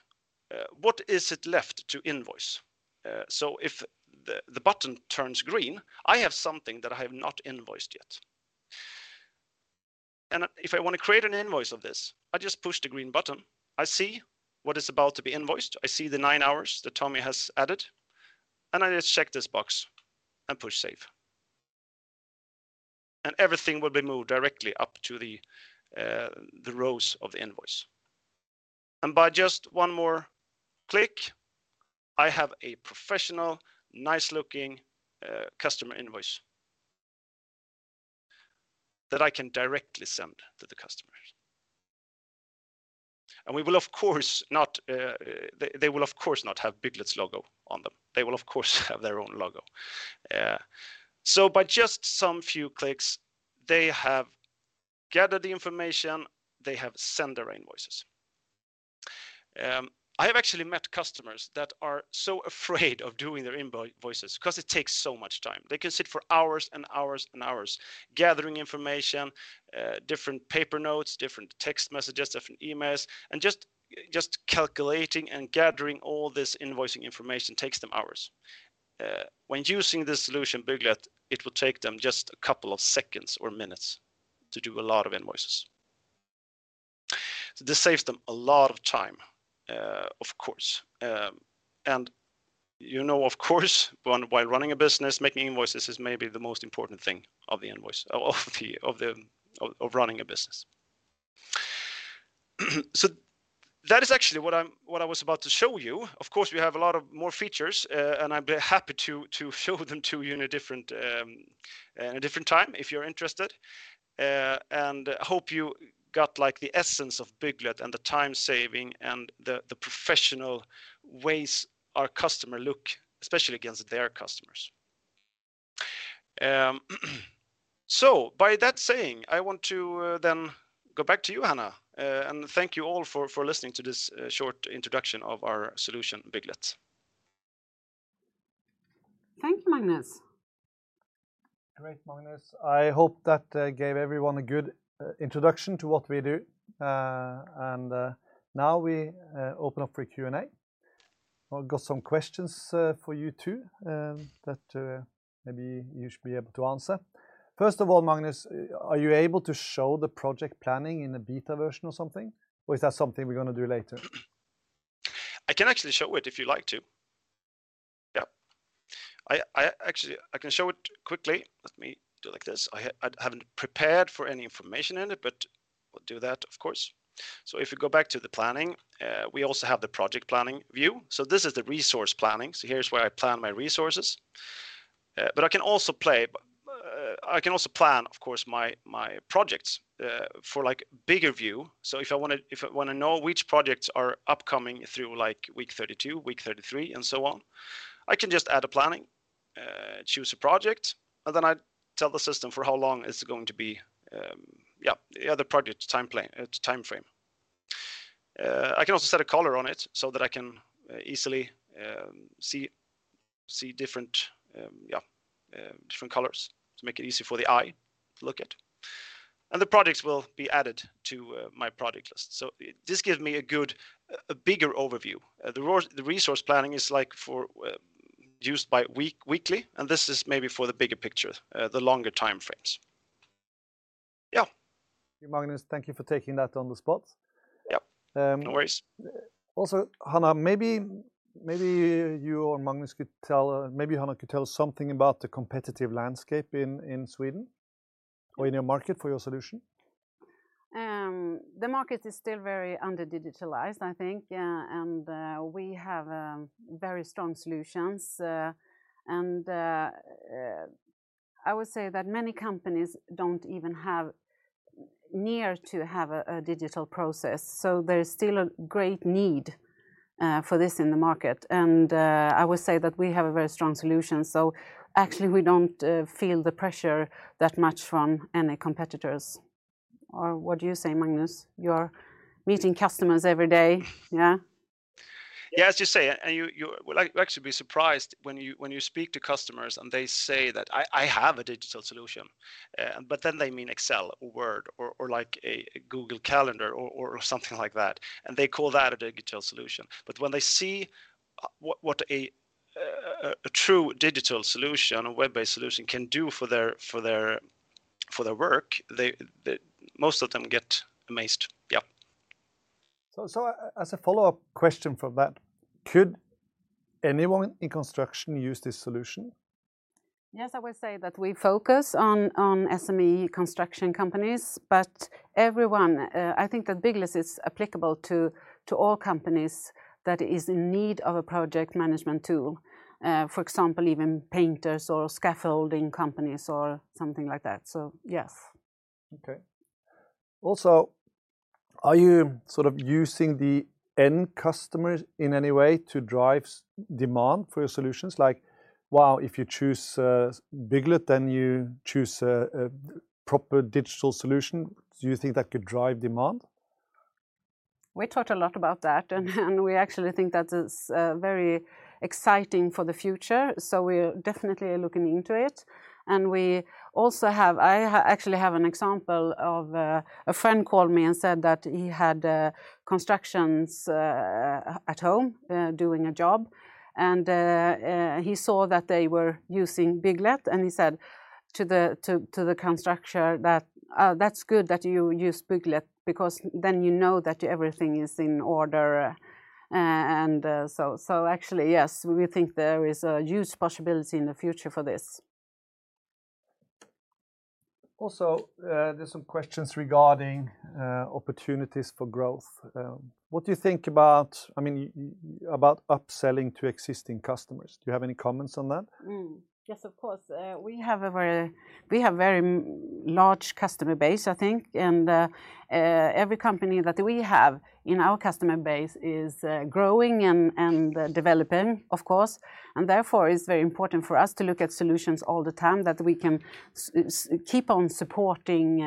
what is left to invoice. If the button turns green, I have something that I have not invoiced yet. If I want to create an invoice of this, I just push the green button. I see what is about to be invoiced. I see the nine hours that Tommy has added, and I just check this box and push save. Everything will be moved directly up to the rows of the invoice. By just one more click, I have a professional, nice-looking customer invoice that I can directly send to the customers. We will of course not, they will of course not have Bygglet's logo on them. They will of course have their own logo. By just some few clicks, they have gathered the information, they have sent their invoices. I have actually met customers that are so afraid of doing their invoices because it takes so much time. They can sit for hours and hours and hours gathering information, different paper notes, different text messages, different emails, and just calculating and gathering all this invoicing information takes them hours. When using this solution, Bygglet, it will take them just a couple of seconds or minutes to do a lot of invoices. This saves them a lot of time, of course. You know, of course, while running a business, making invoices is maybe the most important thing of running a business. That is actually what I was about to show you. Of course, we have a lot more features, and I'd be happy to show them to you at a different time if you're interested. I hope you got, like, the essence of Bygglet and the time-saving and the professional ways our customers look, especially against their customers. With that said, I want to then go back to you, Hanna, and thank you all for listening to this short introduction of our solution, Bygglet. Thank you, Magnus. Great, Magnus. I hope that gave everyone a good introduction to what we do. Now we open up for Q&A. I've got some questions for you two that maybe you should be able to answer. First of all, Magnus, are you able to show the project planning in a beta version or something, or is that something we're going to do later? I can actually show it if you'd like to. Yeah. I actually can show it quickly. Let me do like this. I haven't prepared for any information in it, but we'll do that of course. If you go back to the planning, we also have the project planning view. This is the resource planning, so here's where I plan my resources. But I can also plan, of course, my projects, for like bigger view. If I want to know which projects are upcoming through like week 32, week 33, and so on, I can just add a planning, choose a project, and then I tell the system for how long it's going to be. Yeah, the other project timeframe. I can also set a color on it so that I can easily see different colors to make it easy for the eye to look at. The projects will be added to my project list. This gives me a bigger overview. The resource planning is like used weekly, and this is maybe for the bigger picture, the longer timeframes. Magnus, thank you for taking that on the spot. Yeah. Um- No worries.... also, Hanna, maybe Hanna could tell us something about the competitive landscape in Sweden or in your market for your solution. The market is still very under-digitalized, I think. Yeah, we have very strong solutions. I would say that many companies don't even have a digital process, so there is still a great need for this in the market. I would say that we have a very strong solution, so actually we don't feel the pressure that much from any competitors. What do you say, Magnus? You're meeting customers every day, yeah? Yeah, as you say. I'd actually be surprised when you speak to customers and they say that, "I have a digital solution," but then they mean Excel or Word or, like, a Google Calendar or something like that, and they call that a digital solution. When they see what a true digital solution, a web-based solution can do for their work, they most of them get amazed. Yeah. As a follow-up question from that, could anyone in construction use this solution? Yes, I would say that we focus on SME construction companies, but everyone, I think that Bygglet is applicable to all companies that is in need of a project management tool. For example, even painters or scaffolding companies or something like that. Yes. Are you sort of using the end customers in any way to drive demand for your solutions? Like, wow, if you choose Bygglet, then you choose a proper digital solution. Do you think that could drive demand? We talked a lot about that, and we actually think that it's very exciting for the future, so we're definitely looking into it, and we also have. I actually have an example of a friend called me and said that he had constructions at home doing a job, and he saw that they were using Bygglet, and he said to the constructor that, "That's good that you use Bygglet because then you know that everything is in order." Actually, yes, we think there is a huge possibility in the future for this. Also, there's some questions regarding opportunities for growth. What do you think about, I mean, about upselling to existing customers? Do you have any comments on that? Yes, of course. We have a very large customer base, I think, and every company that we have in our customer base is growing and developing, of course, and therefore it's very important for us to look at solutions all the time that we can keep on supporting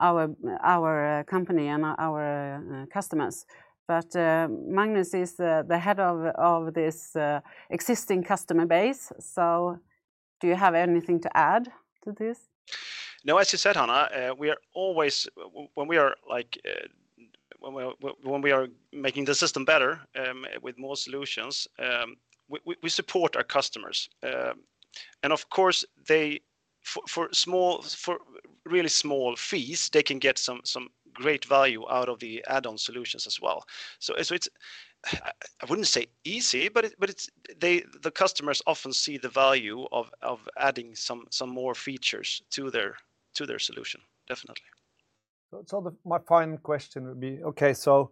our company and our customers. Magnus is the head of this existing customer base. Do you have anything to add to this? No, as you said, Hanna, we are always, when we are making the system better with more solutions, we support our customers. Of course, for really small fees, they can get some great value out of the add-on solutions as well. I wouldn't say easy, but it's the customers often see the value of adding some more features to their solution. Definitely. My final question would be, okay, so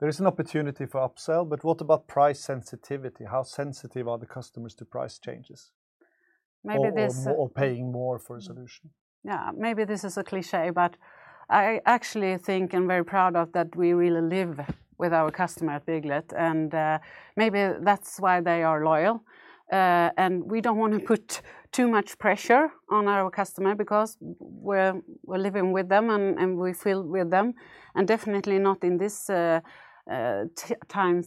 there is an opportunity for upsell, but what about price sensitivity? How sensitive are the customers to price changes? Maybe this- paying more for a solution? Yeah. Maybe this is a cliché, but I actually think, and very proud of, that we really live with our customer at Bygglet, and maybe that's why they are loyal. We don't want to put too much pressure on our customer because we're living with them and we feel with them, and definitely not in these times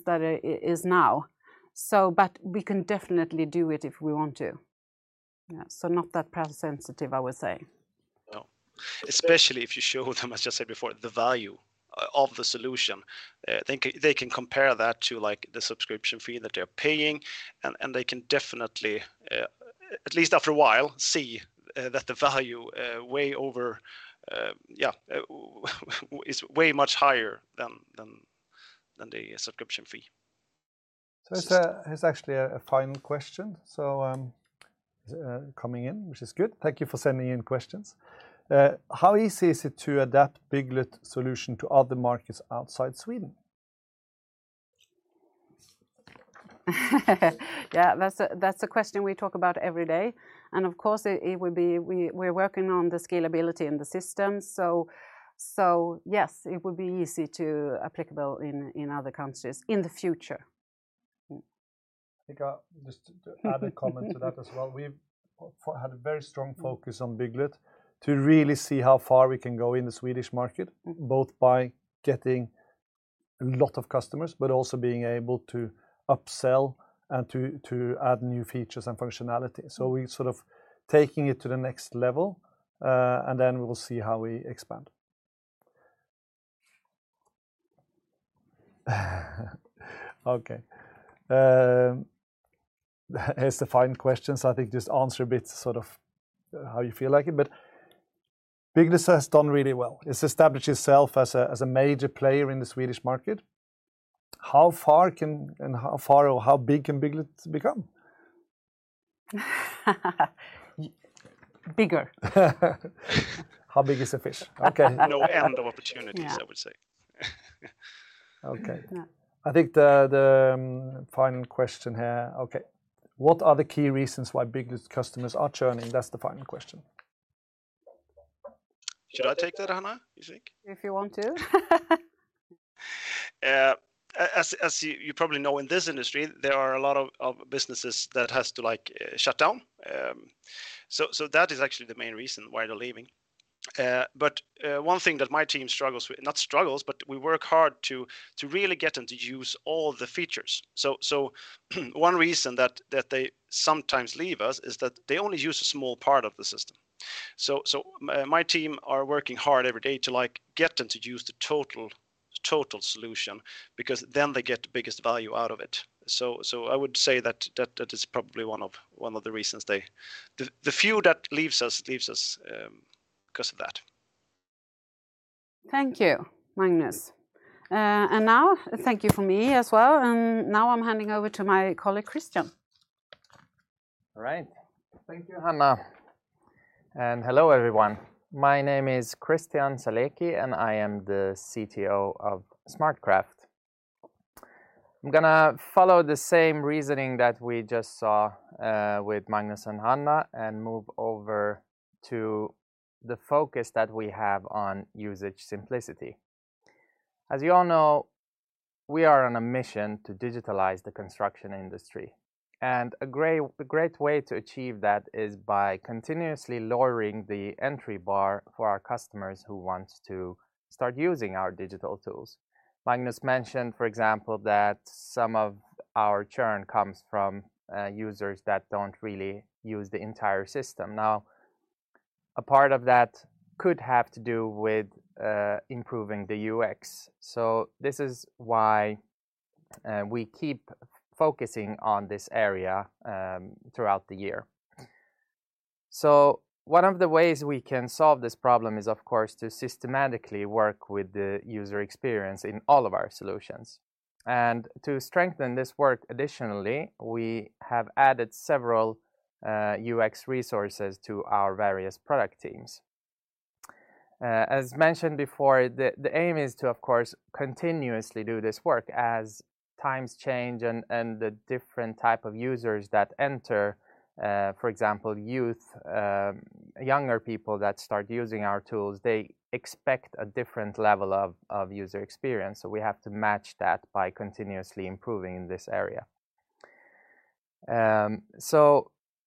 that is now. We can definitely do it if we want to. Yeah, not that price sensitive, I would say. No. Especially if you show them, as I said before, the value of the solution, they can compare that to, like, the subscription fee that they're paying and they can definitely, at least after a while, see that the value is way much higher than the subscription fee. It's actually a final question coming in, which is good. Thank you for sending in questions. How easy is it to adapt Bygglet solution to other markets outside Sweden? Yeah, that's a question we talk about every day, and of course it would be. We're working on the scalability in the system, so yes, it would be easy to apply in other countries in the future. I think I'll just add a comment to that as well. We've had a very strong focus on Bygglet to really see how far we can go in the Swedish market. Mm both by getting a lot of customers but also being able to upsell and to add new features and functionality. We sort of taking it to the next level, and then we will see how we expand. Okay. Here's the final question, so I think just answer a bit sort of how you feel like it. Bygglet has done really well. It's established itself as a major player in the Swedish market. How far or how big can Bygglet become? Bigger. How big is a fish? Okay. No end of opportunities. Yeah I would say. Okay. Yeah. I think the final question here. Okay. What are the key reasons why Bygglet customers are churning? That's the final question. Should I take that, Hanna, you think? If you want to. As you probably know, in this industry, there are a lot of businesses that has to, like, shut down. That is actually the main reason why they're leaving. One thing that my team struggles with, not struggles, but we work hard to really get them to use all the features. One reason that they sometimes leave us is that they only use a small part of the system. My team are working hard every day to, like, get them to use the total solution because then they get the biggest value out of it. I would say that that is probably one of the reasons. The few that leaves us because of that. Thank you, Magnus. Now thank you from me as well, and now I'm handing over to my colleague Christian. All right. Thank you, Hanna. Hello, everyone. My name is Christian Saleki, and I am the CTO of SmartCraft. I'm going to follow the same reasoning that we just saw with Magnus and Hanna, and move over to the focus that we have on usage simplicity. As you all know, we are on a mission to digitalize the construction industry, and a great way to achieve that is by continuously lowering the entry bar for our customers who want to start using our digital tools. Magnus mentioned, for example, that some of our churn comes from users that don't really use the entire system. Now, a part of that could have to do with improving the UX. This is why we keep focusing on this area throughout the year. One of the ways we can solve this problem is, of course, to systematically work with the user experience in all of our solutions, and to strengthen this work additionally, we have added several UX resources to our various product teams. As mentioned before, the aim is to, of course, continuously do this work as times change and the different type of users that enter, for example, younger people that start using our tools, they expect a different level of user experience, so we have to match that by continuously improving in this area.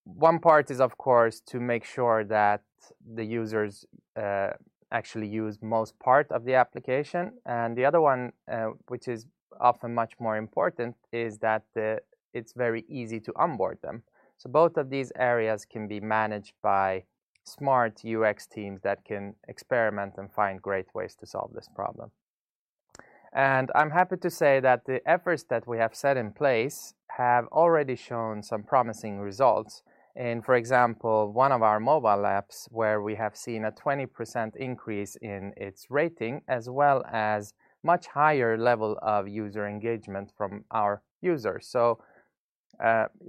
One part is, of course, to make sure that the users actually use most part of the application, and the other one, which is often much more important, is that it's very easy to onboard them. Both of these areas can be managed by smart UX teams that can experiment and find great ways to solve this problem. I'm happy to say that the efforts that we have set in place have already shown some promising results in, for example, one of our mobile apps where we have seen a 20% increase in its rating as well as much higher level of user engagement from our users.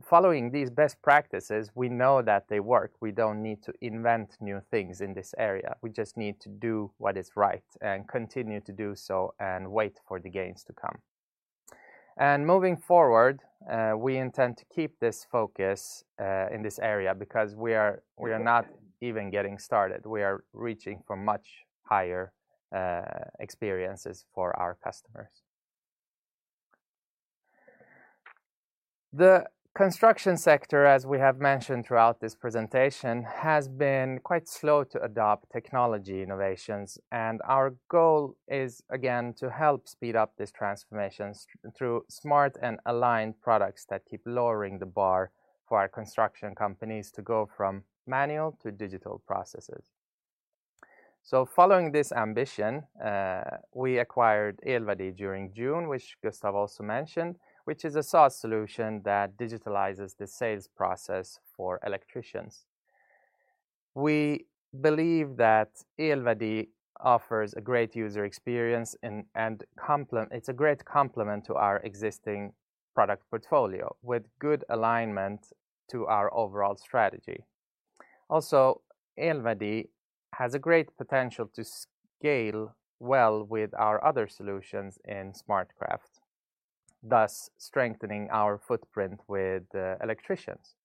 Following these best practices, we know that they work. We don't need to invent new things in this area. We just need to do what is right and continue to do so and wait for the gains to come. Moving forward, we intend to keep this focus in this area because we are not even getting started. We are reaching for much higher experiences for our customers. The construction sector, as we have mentioned throughout this presentation, has been quite slow to adopt technology innovations, and our goal is, again, to help speed up these transformations through smart and aligned products that keep lowering the bar for our construction companies to go from manual to digital processes. Following this ambition, we acquired Elverdi during June, which Gustav also mentioned, which is a SaaS solution that digitalizes the sales process for electricians. We believe that Elverdi offers a great user experience and it's a great complement to our existing product portfolio with good alignment to our overall strategy. Also, Elverdi has a great potential to scale well with our other solutions in SmartCraft, thus strengthening our footprint with electricians.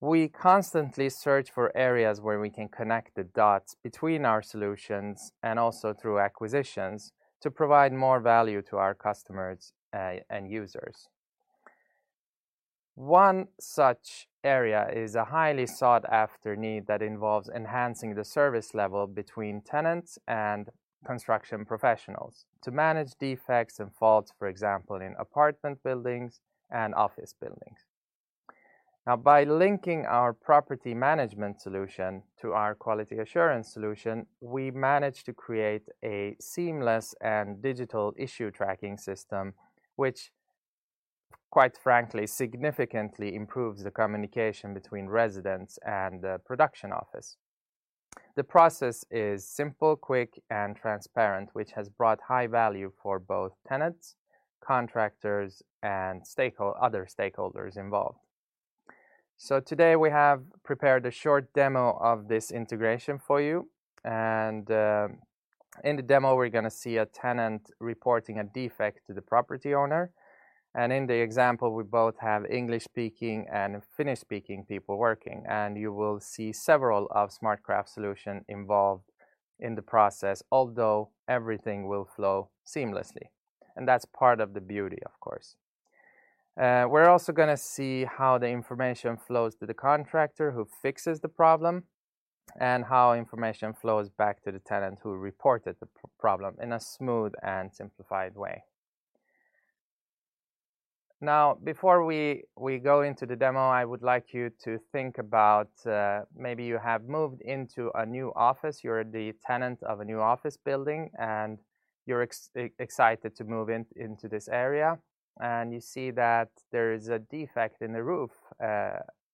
We constantly search for areas where we can connect the dots between our solutions and also through acquisitions to provide more value to our customers, and users. One such area is a highly sought-after need that involves enhancing the service level between tenants and construction professionals to manage defects and faults, for example, in apartment buildings and office buildings. Now, by linking our property management solution to our quality assurance solution, we managed to create a seamless and digital issue tracking system which, quite frankly, significantly improves the communication between residents and the production office. The process is simple, quick, and transparent, which has brought high value for both tenants, contractors, and other stakeholders involved. Today, we have prepared a short demo of this integration for you, and, in the demo, we're going to see a tenant reporting a defect to the property owner. In the example, we both have English-speaking and Finnish-speaking people working, and you will see several of SmartCraft solution involved in the process, although everything will flow seamlessly, and that's part of the beauty, of course. We're also going to see how the information flows to the contractor who fixes the problem and how information flows back to the tenant who reported the problem in a smooth and simplified way. Now, before we go into the demo, I would like you to think about, maybe you have moved into a new office. You're the tenant of a new office building, and you're excited to move in, into this area, and you see that there is a defect in the roof,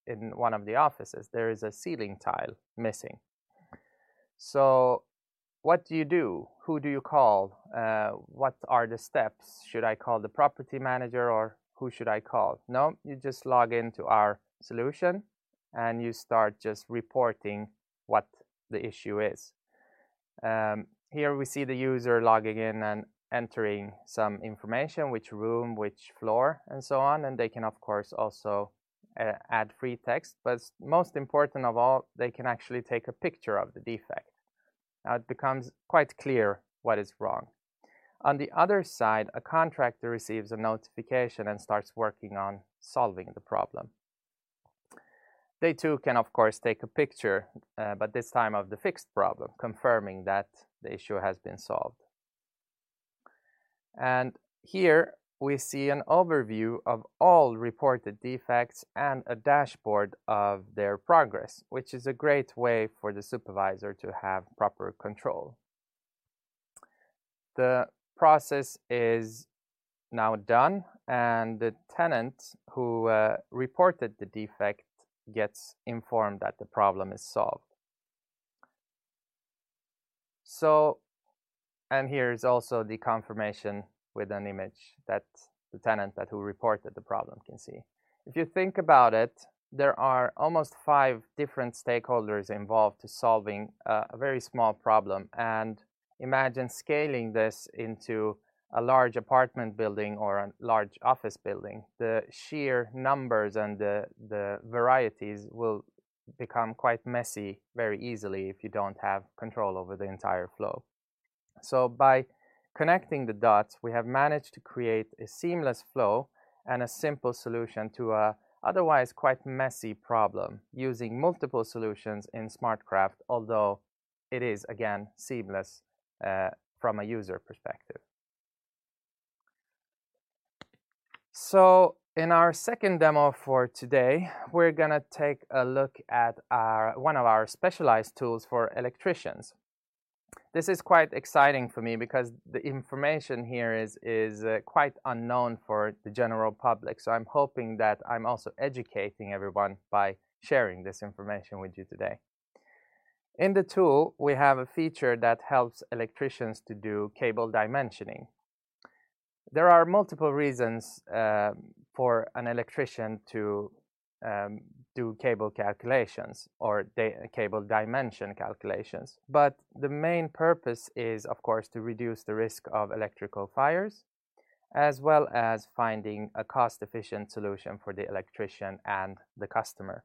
in one of the offices. There is a ceiling tile missing. What do you do? Who do you call? What are the steps? Should I call the property manager, or who should I call? No, you just log into our solution, and you start just reporting what the issue is. Here we see the user logging in and entering some information, which room, which floor, and so on. They can of course also add free text. Most important of all, they can actually take a picture of the defect. Now it becomes quite clear what is wrong. On the other side, a contractor receives a notification and starts working on solving the problem. They too can of course take a picture, but this time of the fixed problem, confirming that the issue has been solved. Here we see an overview of all reported defects and a dashboard of their progress, which is a great way for the supervisor to have proper control. The process is now done, and the tenant who reported the defect gets informed that the problem is solved. Here is also the confirmation with an image that the tenant who reported the problem can see. If you think about it, there are almost five different stakeholders involved to solving a very small problem. Imagine scaling this into a large apartment building or a large office building. The sheer numbers and the varieties will become quite messy very easily if you don't have control over the entire flow. By connecting the dots, we have managed to create a seamless flow and a simple solution to a otherwise quite messy problem using multiple solutions in SmartCraft, although it is again seamless from a user perspective. In our second demo for today, we're going to take a look at our, one of our specialized tools for electricians. This is quite exciting for me because the information here is quite unknown for the general public. I'm hoping that I'm also educating everyone by sharing this information with you today. In the tool, we have a feature that helps electricians to do cable dimensioning. There are multiple reasons for an electrician to do cable calculations or cable dimension calculations. The main purpose is, of course, to reduce the risk of electrical fires, as well as finding a cost-efficient solution for the electrician and the customer.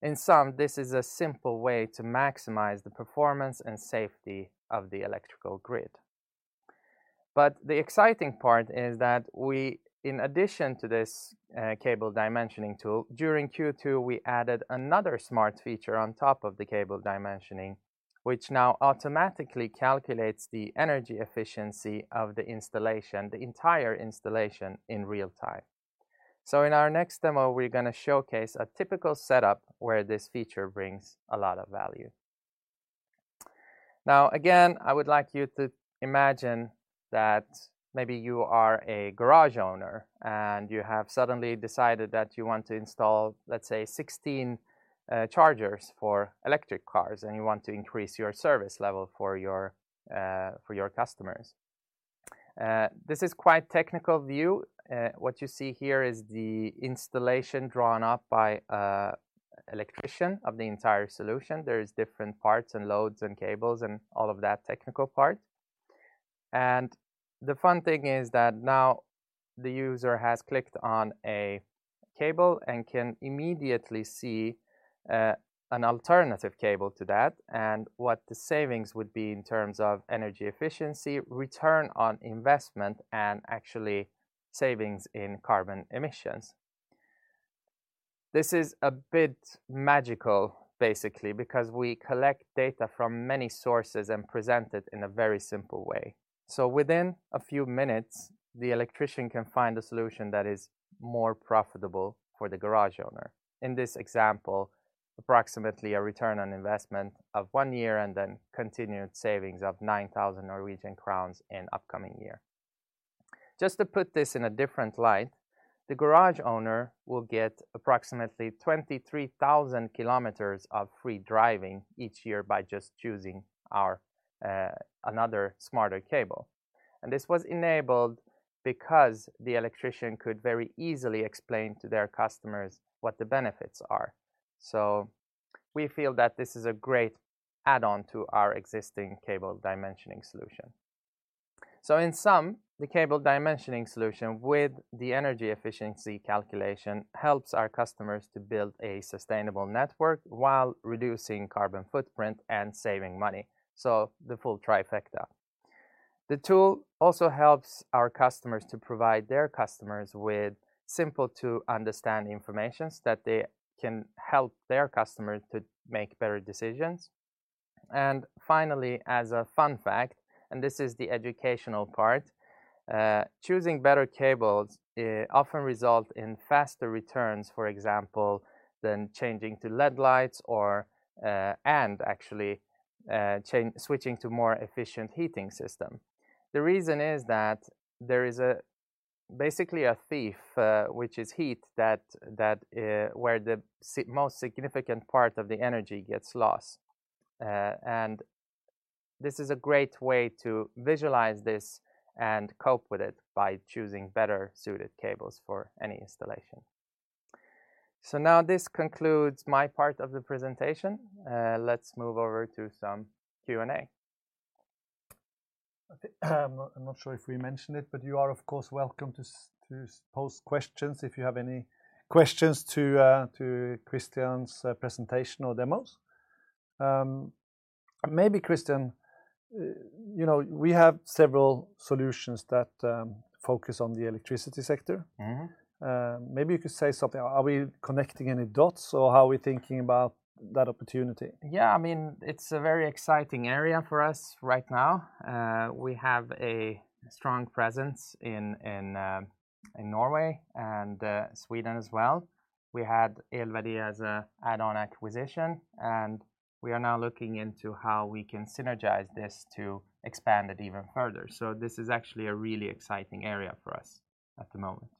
In sum, this is a simple way to maximize the performance and safety of the electrical grid. The exciting part is that we, in addition to this, cable dimensioning tool, during Q2 we added another smart feature on top of the cable dimensioning, which now automatically calculates the energy efficiency of the installation, the entire installation in real time. In our next demo, we're going to showcase a typical setup where this feature brings a lot of value. Now again, I would like you to imagine that maybe you are a garage owner and you have suddenly decided that you want to install, let's say, 16, chargers for electric cars and you want to increase your service level for your, for your customers. This is quite technical view. What you see here is the installation drawn up by a electrician of the entire solution. There is different parts and loads and cables and all of that technical part. The fun thing is that now the user has clicked on a cable and can immediately see, an alternative cable to that and what the savings would be in terms of energy efficiency, return on investment and actually savings in carbon emissions. This is a bit magical basically because we collect data from many sources and present it in a very simple way. Within a few minutes the electrician can find a solution that is more profitable for the garage owner. In this example, approximately a return on investment of one year and then continued savings of 9,000 Norwegian crowns in upcoming year. Just to put this in a different light, the garage owner will get approximately 23,000 km of free driving each year by just choosing our, another smarter cable. This was enabled because the electrician could very easily explain to their customers what the benefits are. We feel that this is a great add-on to our existing cable dimensioning solution. In sum, the cable dimensioning solution with the energy efficiency calculation helps our customers to build a sustainable network while reducing carbon footprint and saving money, so the full trifecta. The tool also helps our customers to provide their customers with simple to understand information that they can help their customers to make better decisions. Finally, as a fun fact, and this is the educational part, choosing better cables often result in faster returns, for example, than changing to LED lights or and actually switching to more efficient heating system. The reason is that there is basically a thief, which is heat that where the most significant part of the energy gets lost. This is a great way to visualize this and cope with it by choosing better suited cables for any installation. Now this concludes my part of the presentation. Let's move over to some Q&A. Okay. I'm not sure if we mentioned it, but you are, of course, welcome to post questions if you have any questions to Christian's presentation or demos. Maybe Christian, you know, we have several solutions that focus on the electricity sector. Mm-hmm. Maybe you could say something. Are we connecting any dots, or how are we thinking about that opportunity? Yeah, I mean, it's a very exciting area for us right now. We have a strong presence in Norway and Sweden as well. We had Elverdi as an add-on acquisition, and we are now looking into how we can synergize this to expand it even further. This is actually a really exciting area for us at the moment.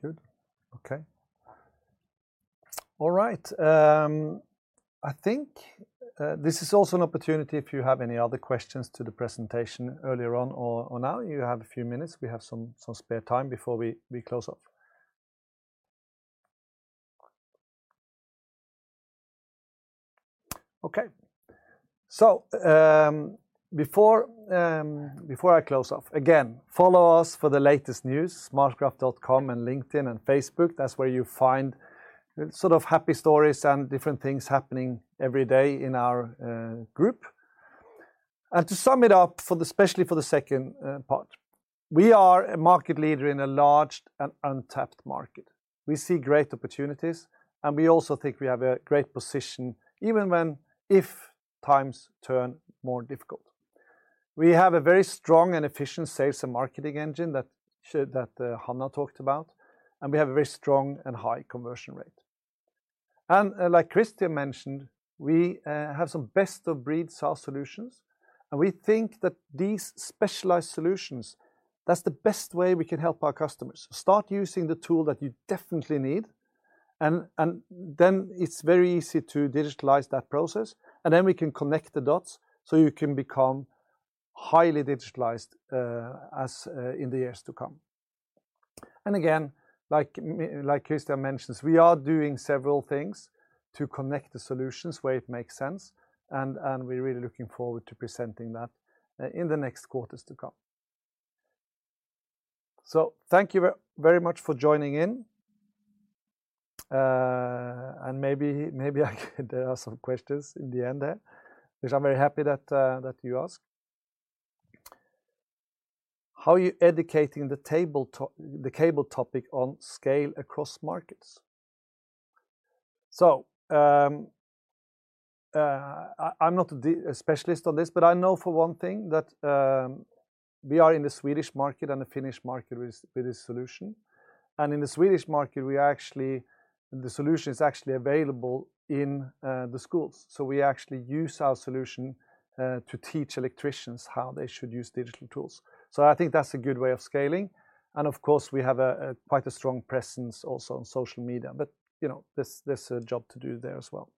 Good. Okay. All right. I think this is also an opportunity if you have any other questions to the presentation earlier on or now. You have a few minutes. We have some spare time before we close off. Okay. Before I close off, again, follow us for the latest news, smartcraft.com and LinkedIn and Facebook. That's where you find sort of happy stories and different things happening every day in our group. To sum it up especially for the second part, we are a market leader in a large and untapped market. We see great opportunities, and we also think we have a great position even when if times turn more difficult. We have a very strong and efficient sales and marketing engine that Hanna talked about, and we have a very strong and high conversion rate. like Christian mentioned, we have some best-of-breed SaaS solutions, and we think that these specialized solutions, that's the best way we can help our customers. Start using the tool that you definitely need, and then it's very easy to digitalize that process, and then we can connect the dots so you can become highly digitalized, as in the years to come. again, like Christian mentions, we are doing several things to connect the solutions where it makes sense, and we're really looking forward to presenting that, in the next quarters to come. thank you very much for joining in, and maybe I. There are some questions in the end there, which I'm very happy that you asked. How are you educating the cable topic at scale across markets? I'm not the specialist on this, but I know for one thing that we are in the Swedish market and the Finnish market with this solution, and in the Swedish market, the solution is actually available in the schools. We actually use our solution to teach electricians how they should use digital tools. I think that's a good way of scaling, and of course, we have quite a strong presence also on social media, but you know, there's a job to do there as well.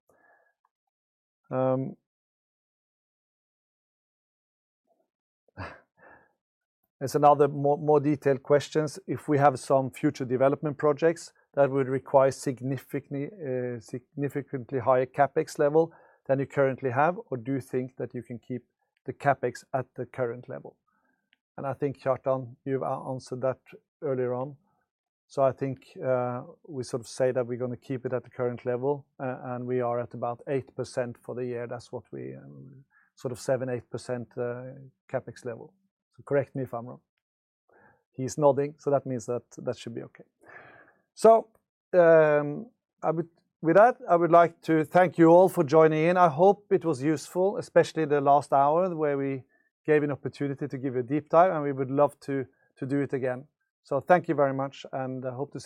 There's another more detailed questions. If we have some future development projects that would require significantly higher CapEx level than you currently have, or do you think that you can keep the CapEx at the current level? I think, Kjartan, you've answered that earlier on. I think, we sort of say that we're going to keep it at the current level, and we are at about 8% for the year. That's what we sort of 7%, 8% CapEx level. Correct me if I'm wrong. He's nodding, so that means that should be okay. With that, I would like to thank you all for joining in. I hope it was useful, especially the last hour where we gave an opportunity to give a deep dive, and we would love to do it again. Thank you very much, and I hope to see.